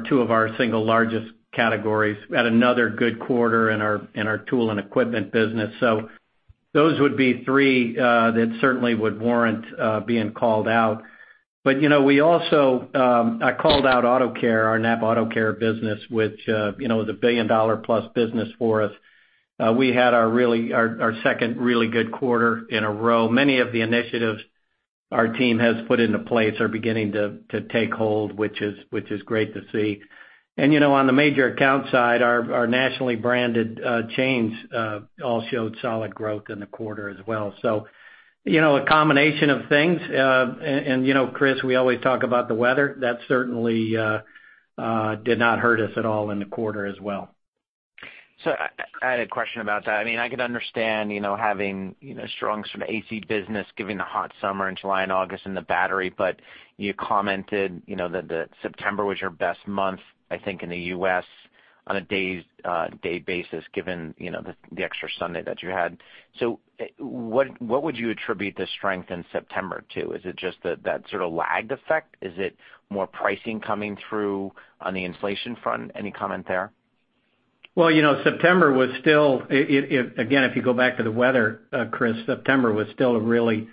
Speaker 3: two of our single largest categories. We had another good quarter in our tool and equipment business. Those would be three that certainly would warrant being called out. I called out NAPA AutoCare, our NAPA AutoCare business, which is a billion-dollar-plus business for us. We had our second really good quarter in a row. Many of the initiatives our team has put into place are beginning to take hold, which is great to see. On the major account side, our nationally branded chains all showed solid growth in the quarter as well. A combination of things. Chris, we always talk about the weather. That certainly did not hurt us at all in the quarter as well.
Speaker 5: I had a question about that. I could understand having strong AC business given the hot summer in July and August in the battery, but you commented that September was your best month, I think, in the U.S. on a day basis, given the extra Sunday that you had. What would you attribute the strength in September to? Is it just that sort of lagged effect? Is it more pricing coming through on the inflation front? Any comment there?
Speaker 3: September was still, again, if you go back to the weather, Chris, September was still a really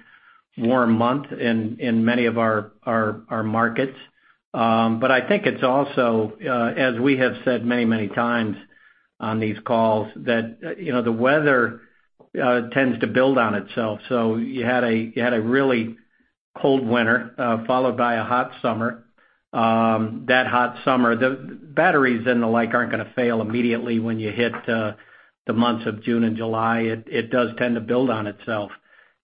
Speaker 3: warm month in many of our markets. I think it's also, as we have said many times on these calls, that the weather tends to build on itself. You had a really cold winter, followed by a hot summer. That hot summer, the batteries and the like aren't going to fail immediately when you hit the months of June and July. It does tend to build on itself.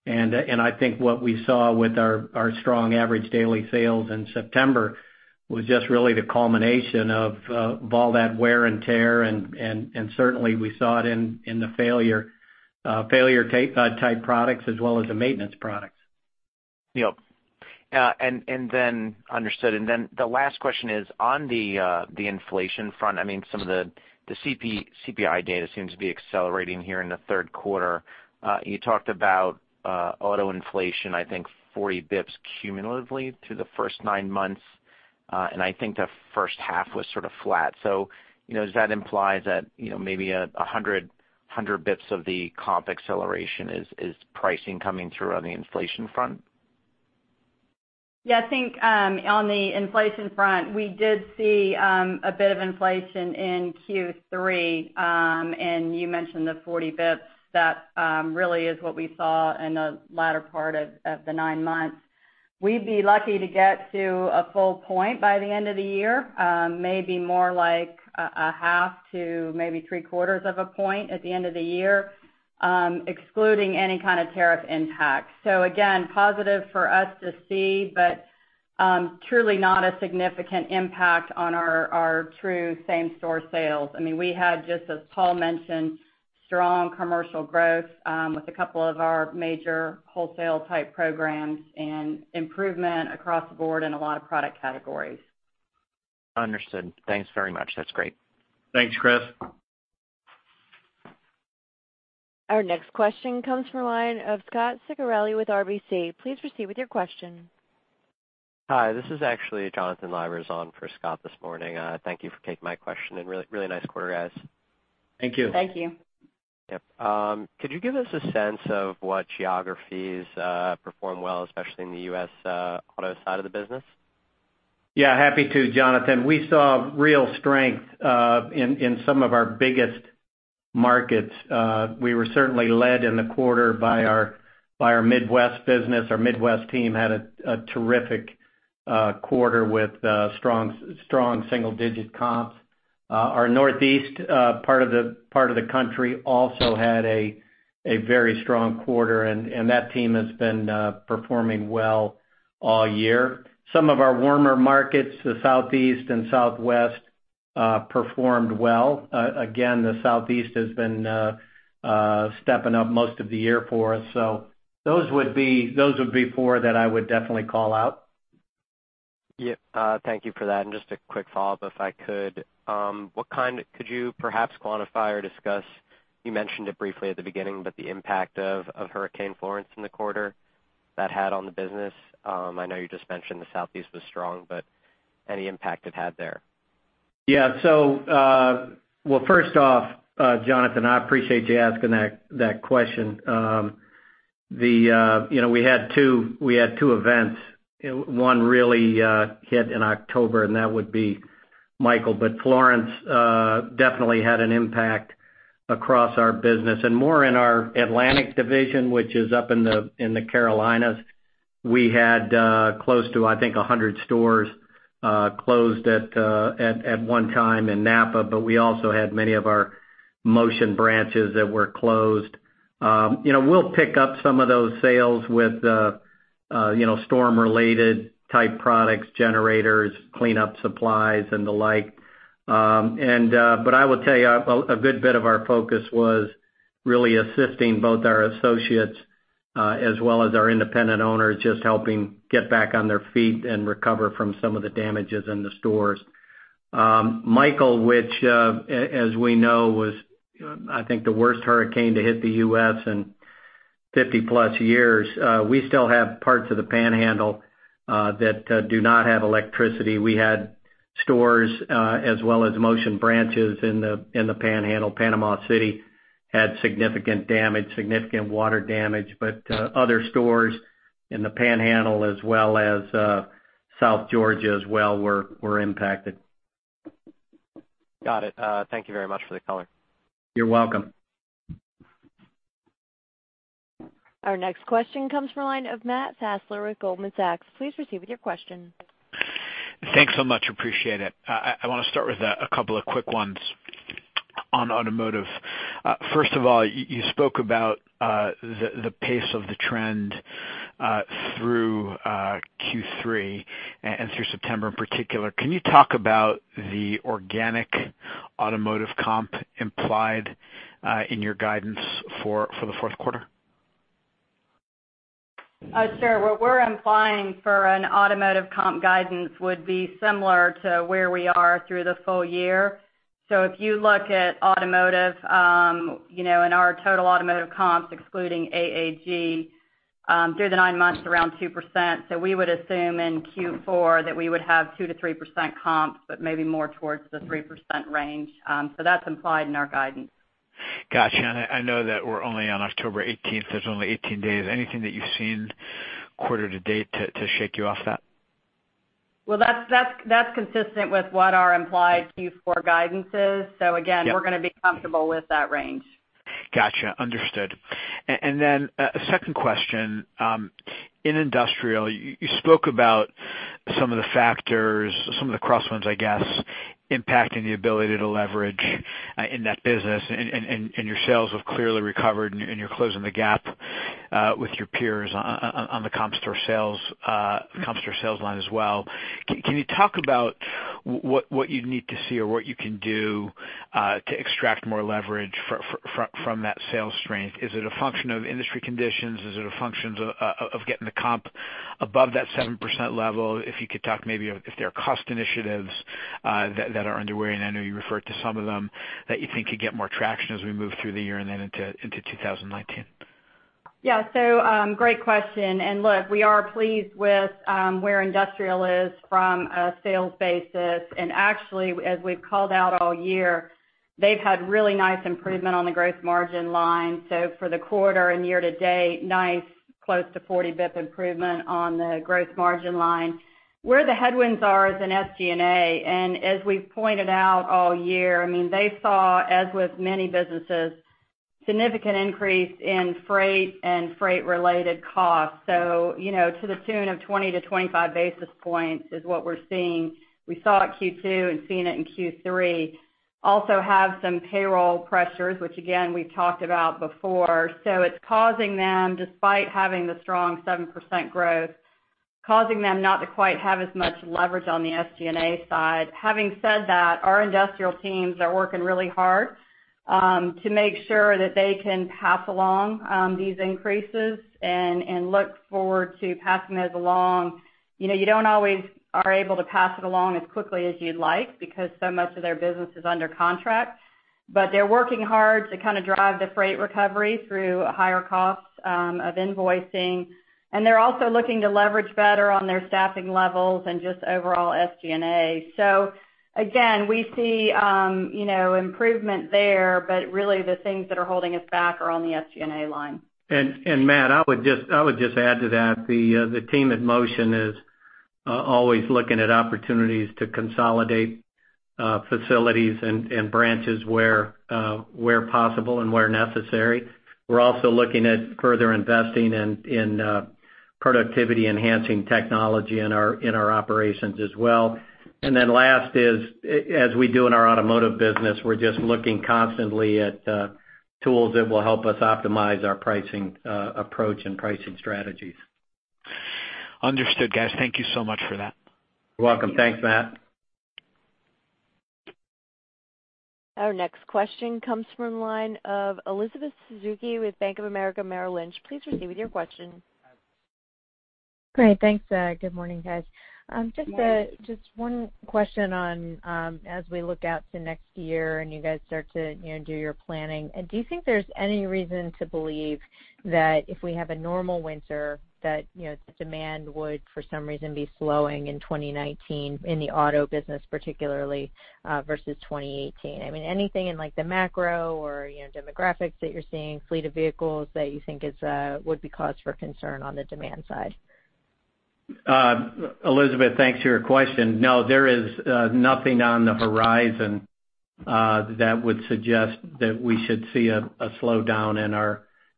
Speaker 3: I think what we saw with our strong average daily sales in September was just really the culmination of all that wear and tear, and certainly we saw it in the failure type products as well as the maintenance products.
Speaker 5: Yep. Understood. Then the last question is on the inflation front. Some of the CPI data seems to be accelerating here in the third quarter. You talked about auto inflation, I think 40 basis points cumulatively through the first nine months, and I think the first half was sort of flat. Does that imply that maybe 100 basis points of the comp acceleration is pricing coming through on the inflation front?
Speaker 4: I think on the inflation front, we did see a bit of inflation in Q3. You mentioned the 40 basis points. That really is what we saw in the latter part of the nine months. We'd be lucky to get to a full point by the end of the year. Maybe more like a half to maybe three-quarters of a point at the end of the year, excluding any kind of tariff impact. Again, positive for us to see, but truly not a significant impact on our true same-store sales. We had just, as Paul mentioned, strong commercial growth with a couple of our major wholesale type programs and improvement across the board in a lot of product categories.
Speaker 5: Understood. Thanks very much. That's great.
Speaker 3: Thanks, Chris.
Speaker 1: Our next question comes from the line of Scot Ciccarelli with RBC. Please proceed with your question.
Speaker 6: Hi, this is actually Jonathan Liberzon for Scot this morning. Thank you for taking my question, and really nice quarter, guys.
Speaker 3: Thank you.
Speaker 4: Thank you.
Speaker 6: Yep. Could you give us a sense of what geographies performed well, especially in the U.S. auto side of the business?
Speaker 3: Yeah, happy to, Jonathan. We saw real strength in some of our biggest markets. We were certainly led in the quarter by our Midwest business. Our Midwest team had a terrific quarter with strong single-digit comps. Our Northeast part of the country also had a very strong quarter, that team has been performing well all year. Some of our warmer markets, the Southeast and Southwest performed well. Again, the Southeast has been stepping up most of the year for us. Those would be four that I would definitely call out.
Speaker 6: Yep. Thank you for that. Just a quick follow-up, if I could. Could you perhaps quantify or discuss, you mentioned it briefly at the beginning, the impact of Hurricane Florence in the quarter that had on the business? I know you just mentioned the Southeast was strong, any impact it had there?
Speaker 3: Yeah. Well, first off, Jonathan, I appreciate you asking that question. We had two events, one really hit in October, that would be Michael. Florence definitely had an impact across our business and more in our Atlantic division, which is up in the Carolinas. We had close to, I think, 100 stores closed at one time in NAPA, we also had many of our Motion branches that were closed. We'll pick up some of those sales with storm-related type products, generators, cleanup supplies, the like. I will tell you, a good bit of our focus was really assisting both our associates as well as our independent owners, just helping get back on their feet and recover from some of the damages in the stores. Michael, which, as we know, was I think the worst hurricane to hit the U.S. in 50-plus years, we still have parts of the Panhandle that do not have electricity. We had stores as well as Motion branches in the Panhandle. Panama City had significant damage, significant water damage, other stores in the Panhandle as well as South Georgia as well were impacted.
Speaker 6: Got it. Thank you very much for the color.
Speaker 3: You're welcome.
Speaker 1: Our next question comes from the line of Matt Fassler with Goldman Sachs. Please proceed with your question.
Speaker 7: Thanks so much. Appreciate it. I want to start with a couple of quick ones on automotive. First of all, you spoke about the pace of the trend through Q3 and through September in particular. Can you talk about the organic automotive comp implied in your guidance for the fourth quarter?
Speaker 4: Sure. What we're implying for an automotive comp guidance would be similar to where we are through the full year. If you look at automotive, in our total automotive comps, excluding AAG, through the nine months, around 2%. We would assume in Q4 that we would have 2%-3% comps, but maybe more towards the 3% range. That's implied in our guidance.
Speaker 7: Got you. I know that we're only on October 18th, so it's only 18 days. Anything that you've seen quarter-to-date to shake you off that?
Speaker 4: Well, that's consistent with what our implied Q4 guidance is.
Speaker 7: Yeah.
Speaker 4: Again, we're going to be comfortable with that range.
Speaker 7: Got you. Understood. A second question. In industrial, you spoke about some of the factors, some of the crosswinds, I guess, impacting the ability to leverage in that business, and your sales have clearly recovered, and you're closing the gap with your peers on the comp store sales line as well. Can you talk about what you need to see or what you can do to extract more leverage from that sales strength? Is it a function of industry conditions? Is it a function of getting the comp above that 7% level? If you could talk maybe if there are cost initiatives that are underway, and I know you referred to some of them that you think could get more traction as we move through the year and then into 2019.
Speaker 4: Yeah. Great question. Look, we are pleased with where industrial is from a sales basis. Actually, as we've called out all year, they've had really nice improvement on the gross margin line. For the quarter and year to date, nice, close to 40 bip improvement on the gross margin line. Where the headwinds are is in SG&A, as we've pointed out all year, they saw, as with many businesses, significant increase in freight and freight-related costs. To the tune of 20-25 basis points is what we're seeing. We saw it Q2 and seeing it in Q3. Also, have some payroll pressures, which again, we've talked about before. It's causing them, despite having the strong 7% growth, causing them not to quite have as much leverage on the SG&A side. Having said that, our industrial teams are working really hard to make sure that they can pass along these increases and look forward to passing those along. You don't always are able to pass it along as quickly as you'd like because so much of their business is under contract, but they're working hard to kind of drive the freight recovery through higher costs of invoicing. They're also looking to leverage better on their staffing levels and just overall SG&A. Again, we see improvement there, really, the things that are holding us back are on the SG&A line.
Speaker 3: Matt, I would just add to that, the team at Motion is always looking at opportunities to consolidate facilities and branches where possible and where necessary. We're also looking at further investing in productivity-enhancing technology in our operations as well. Last is, as we do in our automotive business, we're just looking constantly at tools that will help us optimize our pricing approach and pricing strategies.
Speaker 7: Understood, guys. Thank you so much for that.
Speaker 3: You're welcome. Thanks, Matt.
Speaker 1: Our next question comes from the line of Elizabeth Suzuki with Bank of America Merrill Lynch. Please proceed with your question.
Speaker 8: Great. Thanks. Good morning, guys.
Speaker 3: Good morning.
Speaker 8: Just one question on, as we look out to next year and you guys start to do your planning, do you think there's any reason to believe that if we have a normal winter that demand would, for some reason, be slowing in 2019 in the auto business, particularly, versus 2018? Anything in the macro or demographics that you're seeing, fleet of vehicles, that you think would be cause for concern on the demand side?
Speaker 3: Elizabeth, thanks for your question. No, there is nothing on the horizon that would suggest that we should see a slowdown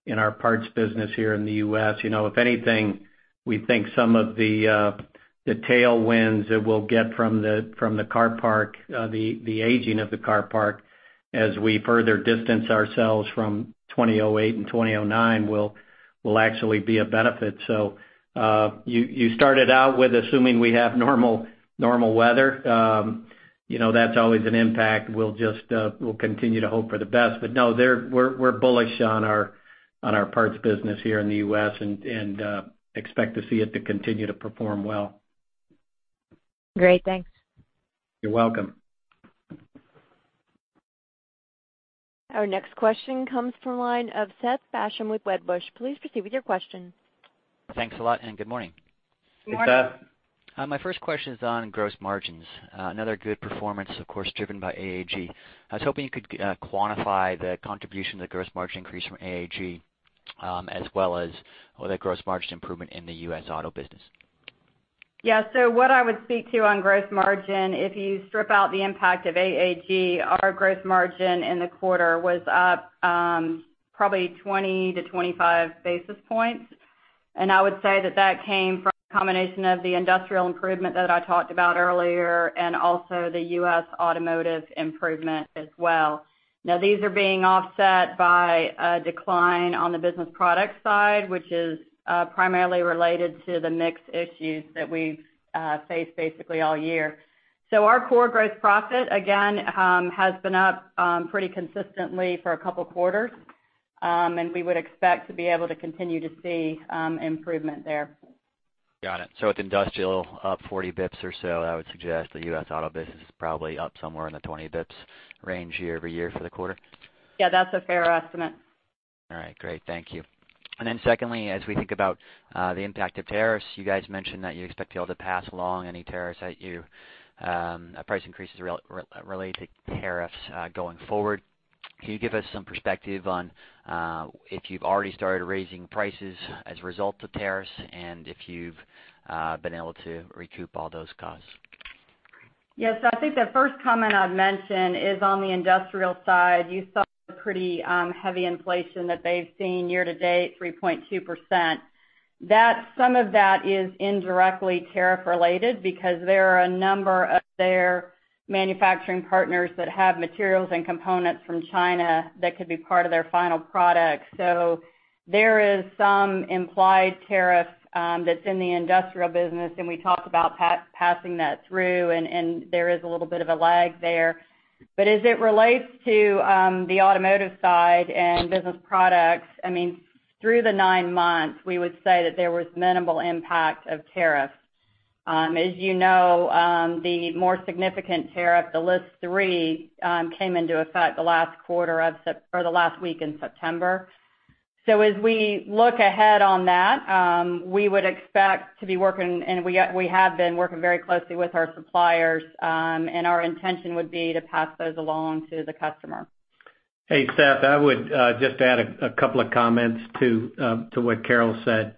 Speaker 3: in our parts business here in the U.S. If anything, we think some of the tailwinds that we'll get from the aging of the car park, as we further distance ourselves from 2008 and 2009, will actually be a benefit. You started out with assuming we have normal weather. That's always an impact. We'll continue to hope for the best, no, we're bullish on our parts business here in the U.S. and expect to see it to continue to perform well.
Speaker 8: Great. Thanks.
Speaker 3: You're welcome.
Speaker 1: Our next question comes from the line of Seth Basham with Wedbush. Please proceed with your question.
Speaker 9: Thanks a lot, and good morning.
Speaker 3: Good morning.
Speaker 4: Good morning.
Speaker 9: My first question is on gross margins. Another good performance, of course, driven by AAG. I was hoping you could quantify the contribution of the gross margin increase from AAG as well as the gross margin improvement in the U.S. auto business.
Speaker 4: What I would speak to on gross margin, if you strip out the impact of AAG, our gross margin in the quarter was up probably 20 to 25 basis points. I would say that that came from a combination of the industrial improvement that I talked about earlier and also the U.S. automotive improvement as well. These are being offset by a decline on the business product side, which is primarily related to the mix issues that we faced basically all year. Our core gross profit, again, has been up pretty consistently for a couple of quarters, and we would expect to be able to continue to see improvement there.
Speaker 9: Got it. With industrial up 40 basis points or so, that would suggest the U.S. auto business is probably up somewhere in the 20 basis points range year-over-year for the quarter?
Speaker 4: Yeah, that's a fair estimate.
Speaker 9: All right, great. Thank you. Secondly, as we think about the impact of tariffs, you guys mentioned that you expect to be able to pass along any price increases related to tariffs going forward. Can you give us some perspective on if you've already started raising prices as a result of tariffs and if you've been able to recoup all those costs?
Speaker 4: Yeah. I think the first comment I'd mention is on the industrial side. You saw the pretty heavy inflation that they've seen year-to-date, 3.2%. Some of that is indirectly tariff related because there are a number of their manufacturing partners that have materials and components from China that could be part of their final product. There is some implied tariff that's in the industrial business, and we talk about passing that through, and there is a little bit of a lag there. As it relates to the automotive side and business products, through the nine months, we would say that there was minimal impact of tariffs. As you know, the more significant tariff, the list three, came into effect the last week in September. As we look ahead on that, we would expect to be working, and we have been working very closely with our suppliers, and our intention would be to pass those along to the customer.
Speaker 3: Hey, Seth, I would just add a couple of comments to what Carol said.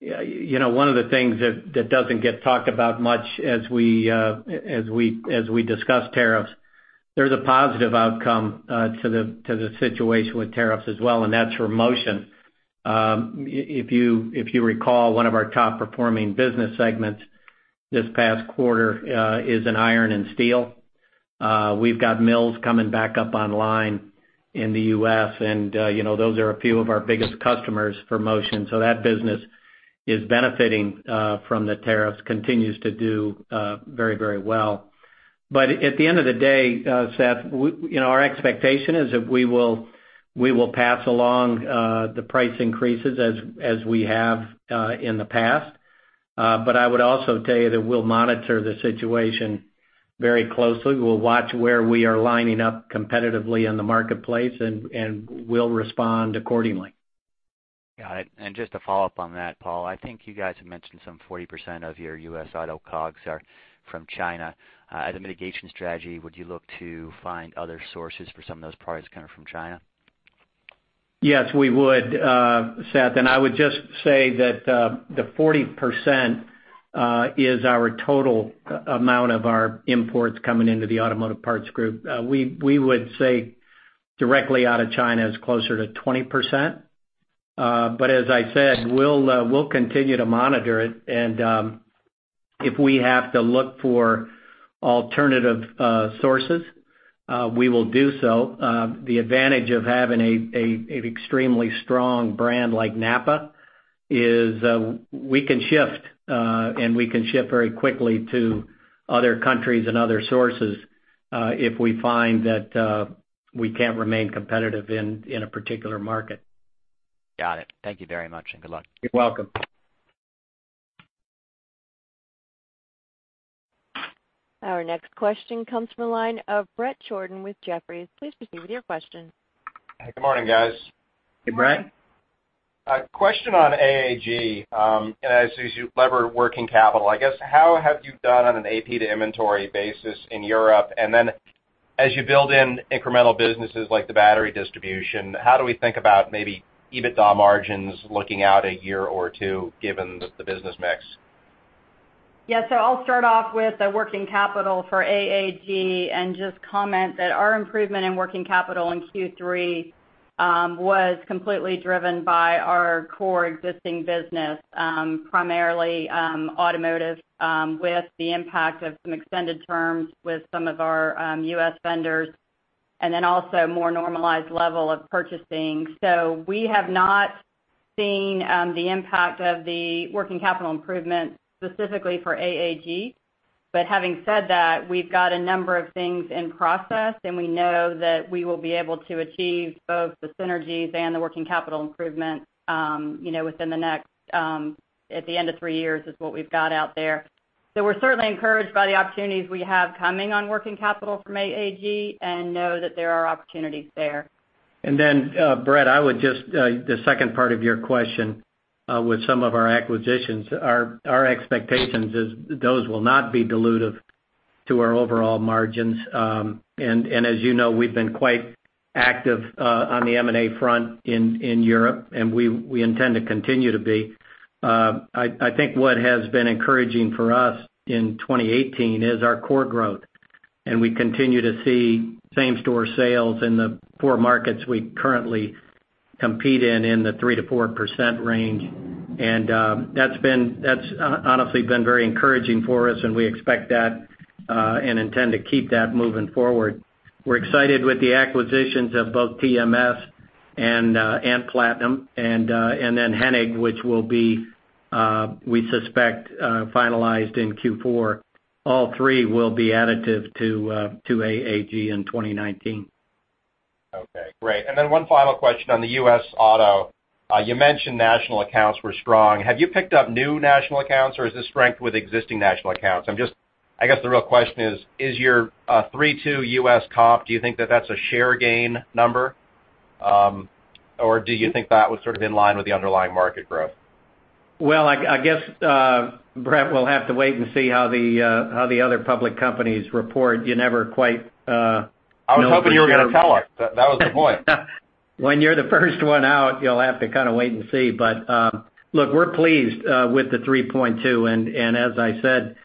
Speaker 3: One of the things that doesn't get talked about much as we discuss tariffs, there's a positive outcome to the situation with tariffs as well, and that's for Motion. If you recall, one of our top-performing business segments this past quarter is in iron and steel. We've got mills coming back up online in the U.S., and those are a few of our biggest customers for Motion. That business is benefiting from the tariffs, continues to do very well. At the end of the day, Seth, our expectation is that we will pass along the price increases as we have in the past. I would also tell you that we'll monitor the situation very closely. We'll watch where we are lining up competitively in the marketplace, and we'll respond accordingly.
Speaker 9: Got it. Just to follow up on that, Paul, I think you guys have mentioned some 40% of your U.S. auto COGS are from China. As a mitigation strategy, would you look to find other sources for some of those products coming from China?
Speaker 3: Yes, we would, Seth. I would just say that the 40% is our total amount of our imports coming into the Automotive Parts Group. We would say directly out of China is closer to 20%. As I said, we'll continue to monitor it. If we have to look for alternative sources, we will do so. The advantage of having an extremely strong brand like NAPA is we can shift, and we can shift very quickly to other countries and other sources, if we find that we can't remain competitive in a particular market.
Speaker 9: Got it. Thank you very much, and good luck.
Speaker 3: You're welcome.
Speaker 1: Our next question comes from the line of Bret Jordan with Jefferies. Please proceed with your question.
Speaker 10: Good morning, guys.
Speaker 3: Hey, Bret.
Speaker 10: A question on AAG. As you lever working capital, I guess, how have you done on an AP to inventory basis in Europe? As you build in incremental businesses like the battery distribution, how do we think about maybe EBITDA margins looking out a year or two given the business mix?
Speaker 4: Yeah. I'll start off with the working capital for AAG and just comment that our improvement in working capital in Q3 was completely driven by our core existing business, primarily automotive, with the impact of some extended terms with some of our U.S. vendors, and also more normalized level of purchasing. We have not seen the impact of the working capital improvement specifically for AAG. Having said that, we've got a number of things in process, and we know that we will be able to achieve both the synergies and the working capital improvement at the end of three years is what we've got out there. We're certainly encouraged by the opportunities we have coming on working capital from AAG and know that there are opportunities there.
Speaker 3: Then, Bret, I would just the second part of your question, with some of our acquisitions, our expectations is those will not be dilutive to our overall margins. As you know, we've been quite active on the M&A front in Europe, and we intend to continue to be. I think what has been encouraging for us in 2018 is our core growth. We continue to see same-store sales in the four markets we currently compete in the 3%-4% range. That's honestly been very encouraging for us, and we expect that and intend to keep that moving forward. We're excited with the acquisitions of both TMS and Platinum and then Hennig, which will be, we suspect, finalized in Q4. All three will be additive to AAG in 2019.
Speaker 10: Okay, great. Then one final question on the U.S. Auto. You mentioned national accounts were strong. Have you picked up new national accounts, or is this strength with existing national accounts? I guess the real question is your 3.2 U.S. comp, do you think that that's a share gain number? Do you think that was sort of in line with the underlying market growth?
Speaker 3: Well, I guess, Bret, we'll have to wait and see how the other public companies report. You never quite.
Speaker 10: I was hoping you were going to tell us. That was the point.
Speaker 3: When you're the first one out, you'll have to kind of wait and see. Look, we're pleased with the 3.2, and as I said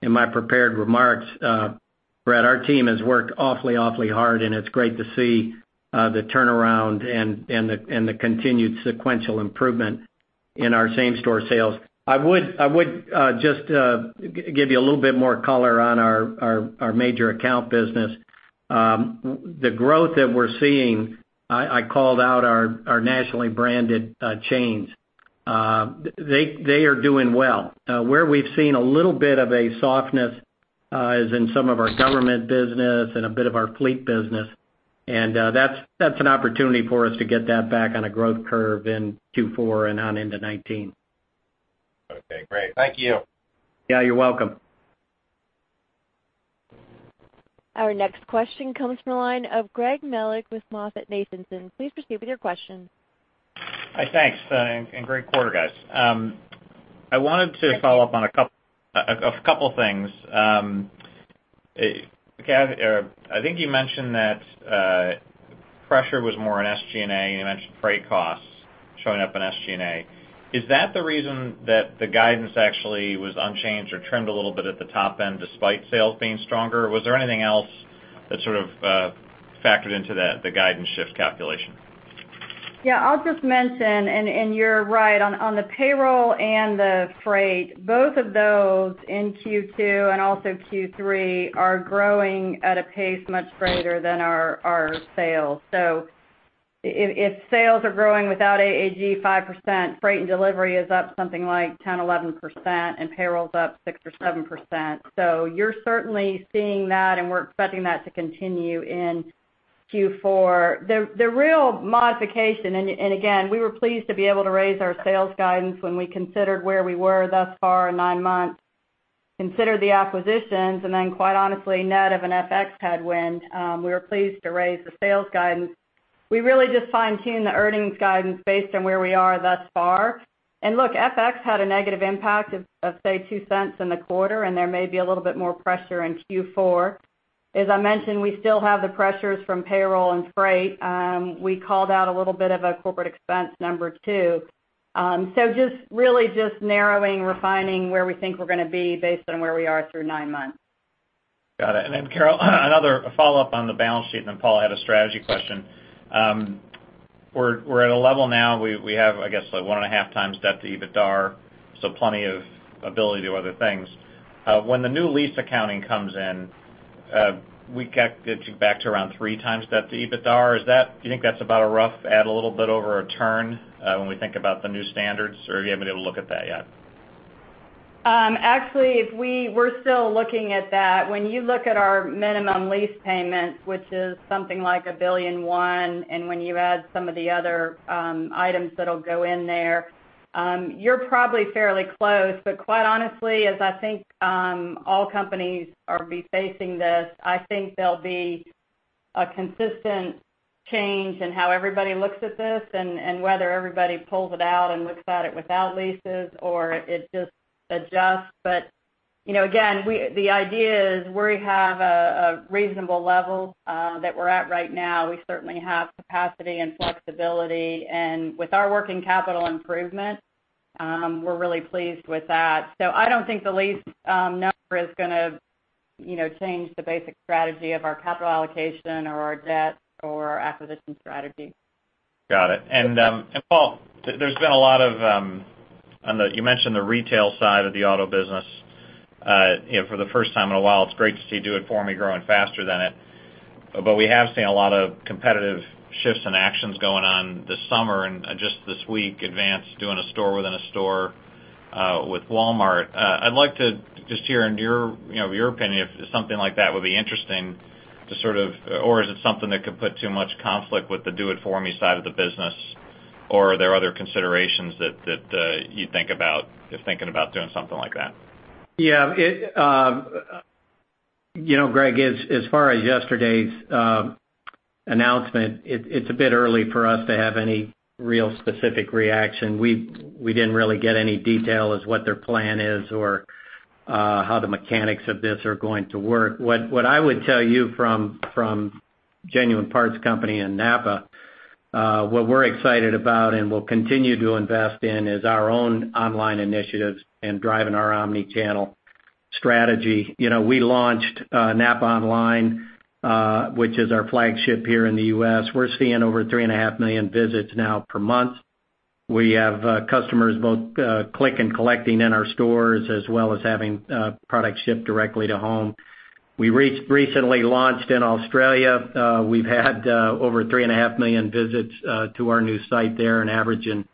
Speaker 3: in my prepared remarks, Bret, our team has worked awfully hard, and it's great to see the turnaround and the continued sequential improvement in our same-store sales. I would just give you a little bit more color on our major account business. The growth that we're seeing, I called out our nationally branded chains. They are doing well. Where we've seen a little bit of a softness, is in some of our government business and a bit of our fleet business. That's an opportunity for us to get that back on a growth curve in Q4 and on into 2019.
Speaker 10: Okay, great. Thank you.
Speaker 3: Yeah, you're welcome.
Speaker 1: Our next question comes from the line of Greg Melich with MoffettNathanson. Please proceed with your question.
Speaker 11: Hi, thanks, great quarter, guys. I wanted to follow up on a couple things. I think you mentioned that pressure was more on SG&A, and you mentioned freight costs showing up in SG&A. Is that the reason that the guidance actually was unchanged or trimmed a little bit at the top end despite sales being stronger? Was there anything else that sort of factored into the guidance shift calculation?
Speaker 4: Yeah, I'll just mention, you're right. On the payroll and the freight, both of those in Q2 and also Q3 are growing at a pace much greater than our sales. If sales are growing without AAG 5%, freight and delivery is up something like 10%, 11%, and payroll's up 6% or 7%. You're certainly seeing that, and we're expecting that to continue in Q4. The real modification, again, we were pleased to be able to raise our sales guidance when we considered where we were thus far in nine months, considered the acquisitions, and then quite honestly, net of an FX headwind, we were pleased to raise the sales guidance. We really just fine-tune the earnings guidance based on where we are thus far. Look, FX had a negative impact of, say, $0.02 in the quarter, there may be a little bit more pressure in Q4. As I mentioned, we still have the pressures from payroll and freight. We called out a little bit of a corporate expense number, too. Just really just narrowing, refining where we think we're going to be based on where we are through nine months.
Speaker 11: Got it. Carol, another follow-up on the balance sheet, Paul had a strategy question. We're at a level now, we have, I guess, one and a half times debt to EBITDA, plenty of ability to other things. When the new lease accounting comes in, we get back to around 3 times debt to EBITDA. Do you think that's about a rough, add a little bit over a turn, when we think about the new standards, or have you been able to look at that yet?
Speaker 4: Actually, we're still looking at that. When you look at our minimum lease payments, which is something like 1 billion, one, when you add some of the other items that'll go in there, you're probably fairly close. Quite honestly, as I think all companies will be facing this, I think there'll be a consistent change in how everybody looks at this, and whether everybody pulls it out and looks at it without leases or it just adjusts. Again, the idea is we have a reasonable level that we're at right now. We certainly have capacity and flexibility, and with our working capital improvement, we're really pleased with that. I don't think the lease number is going to change the basic strategy of our capital allocation or our debt or our acquisition strategy.
Speaker 11: Got it. Paul, you mentioned the retail side of the auto business. For the first time in a while, it's great to see Do It For Me growing faster than it, we have seen a lot of competitive shifts and actions going on this summer and just this week, Advance doing a store within a store with Walmart. I'd like to just hear your opinion if something like that would be interesting. Or is it something that could put too much conflict with the Do It For Me side of the business? Or are there other considerations that you'd think about if thinking about doing something like that?
Speaker 3: Yeah. Greg, as far as yesterday's announcement, it's a bit early for us to have any real specific reaction. We didn't really get any detail as what their plan is or how the mechanics of this are going to work. What I would tell you from Genuine Parts Company and NAPA, what we're excited about and will continue to invest in is our own online initiatives and driving our omni-channel strategy. We launched NAPA Online, which is our flagship here in the U.S. We're seeing over three and a half million visits now per month. We have customers both click and collecting in our stores, as well as having products shipped directly to home. We recently launched in Australia. We've had over three and a half million visits to our new site there and averaging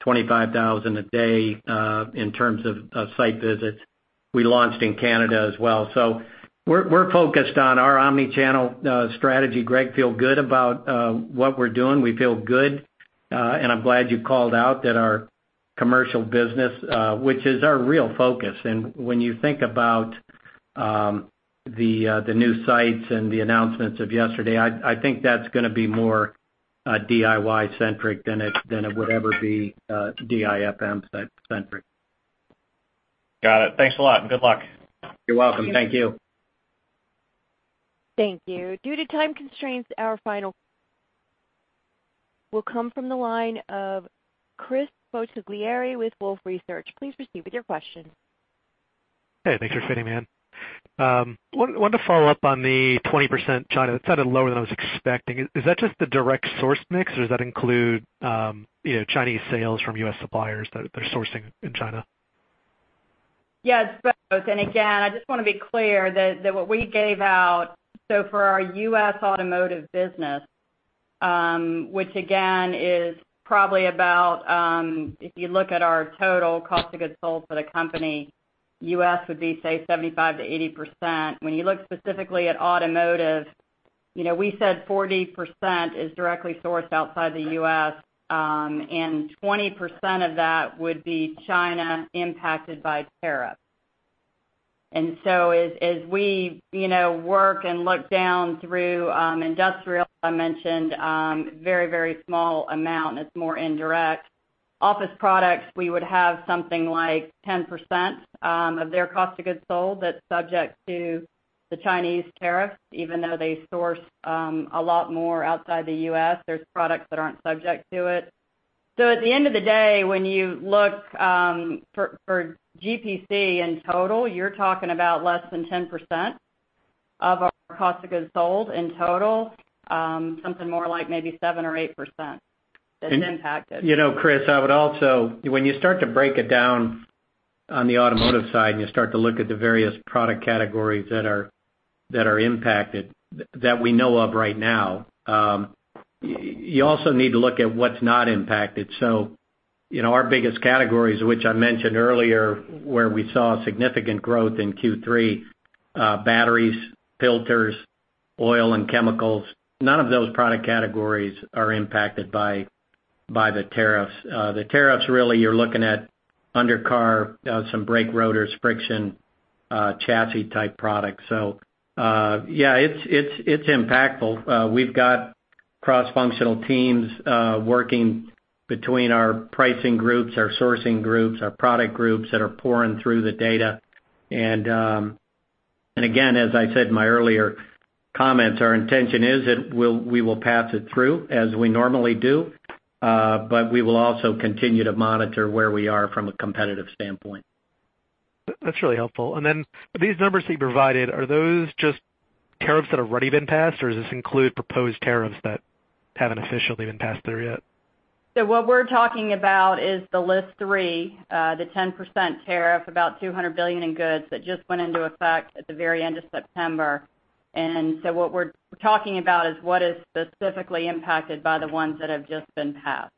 Speaker 3: 25,000 a day in terms of site visits. We launched in Canada as well. We're focused on our omni-channel strategy, Greg. Feel good about what we're doing. We feel good, and I'm glad you called out that our commercial business, which is our real focus. When you think about the new sites and the announcements of yesterday, I think that's going to be more DIY centric than it would ever be DIFM centric.
Speaker 11: Got it. Thanks a lot, and good luck.
Speaker 3: You're welcome. Thank you.
Speaker 1: Thank you. Due to time constraints, our final will come from the line of Chris Bottiglieri with Wolfe Research. Please proceed with your question.
Speaker 12: Hey, thanks for fitting me in. Wanted to follow up on the 20% China. It sounded lower than I was expecting. Is that just the direct source mix, or does that include Chinese sales from U.S. suppliers that are sourcing in China?
Speaker 4: Yeah, it's both. Again, I just want to be clear that what we gave out, for our U.S. automotive business, which again, is probably about, if you look at our total cost of goods sold for the company, U.S. would be, say, 75%-80%. When you look specifically at automotive, we said 40% is directly sourced outside the U.S., 20% of that would be China impacted by tariff. As we work and look down through industrial, as I mentioned, very small amount, it's more indirect. Office products, we would have something like 10% of their cost of goods sold that's subject to the Chinese tariff, even though they source a lot more outside the U.S. There's products that aren't subject to it. At the end of the day, when you look for GPC in total, you're talking about less than 10% of our cost of goods sold in total. Something more like maybe 7% or 8% that's impacted.
Speaker 3: Chris, when you start to break it down on the automotive side and you start to look at the various product categories that are impacted, that we know of right now, you also need to look at what's not impacted. Our biggest categories, which I mentioned earlier, where we saw significant growth in Q3, batteries, filters, oil, and chemicals, none of those product categories are impacted by the tariffs. The tariffs, really, you're looking at undercar, some brake rotors, friction, chassis type products. Yeah, it's impactful. We've got cross-functional teams working between our pricing groups, our sourcing groups, our product groups that are pouring through the data. Again, as I said in my earlier comments. Our intention is that we will pass it through as we normally do, but we will also continue to monitor where we are from a competitive standpoint.
Speaker 12: That's really helpful. These numbers that you provided, are those just tariffs that have already been passed, or does this include proposed tariffs that haven't officially been passed through yet?
Speaker 4: What we're talking about is the list 3, the 10% tariff, about $200 billion in goods that just went into effect at the very end of September. What we're talking about is what is specifically impacted by the ones that have just been passed.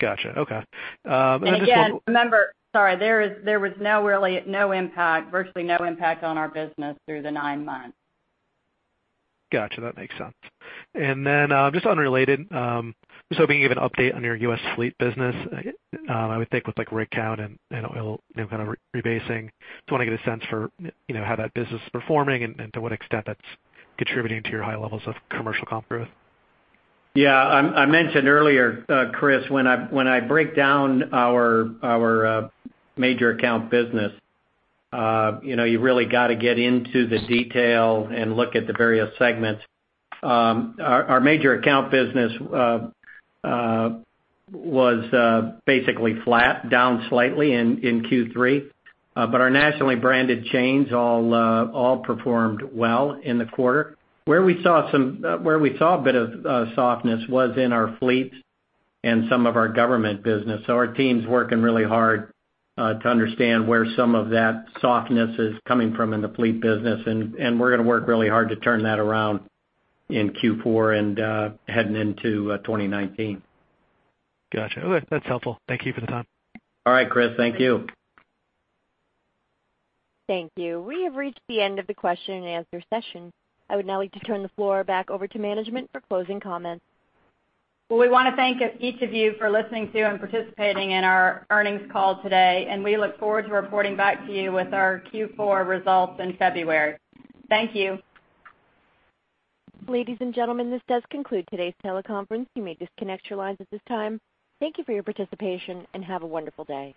Speaker 12: Got you. Okay.
Speaker 4: Remember Sorry. There was virtually no impact on our business through the nine months.
Speaker 12: Got you. That makes sense. Then, just unrelated, I am just hoping you give an update on your U.S. fleet business. I would think with rig count and oil rebasing. I just want to get a sense for how that business is performing and to what extent that is contributing to your high levels of commercial comp growth.
Speaker 3: Yeah. I mentioned earlier, Chris, when I break down our major account business, you really got to get into the detail and look at the various segments. Our major account business was basically flat, down slightly in Q3. Our nationally branded chains all performed well in the quarter. Where we saw a bit of softness was in our fleets and some of our government business. Our team is working really hard to understand where some of that softness is coming from in the fleet business, and we are going to work really hard to turn that around in Q4 and heading into 2019.
Speaker 12: Got you. That is helpful. Thank you for the time.
Speaker 3: All right, Chris. Thank you.
Speaker 1: Thank you. We have reached the end of the question and answer session. I would now like to turn the floor back over to management for closing comments.
Speaker 4: Well, we want to thank each of you for listening to and participating in our earnings call today, and we look forward to reporting back to you with our Q4 results in February. Thank you.
Speaker 1: Ladies and gentlemen, this does conclude today's teleconference. You may disconnect your lines at this time. Thank you for your participation, and have a wonderful day.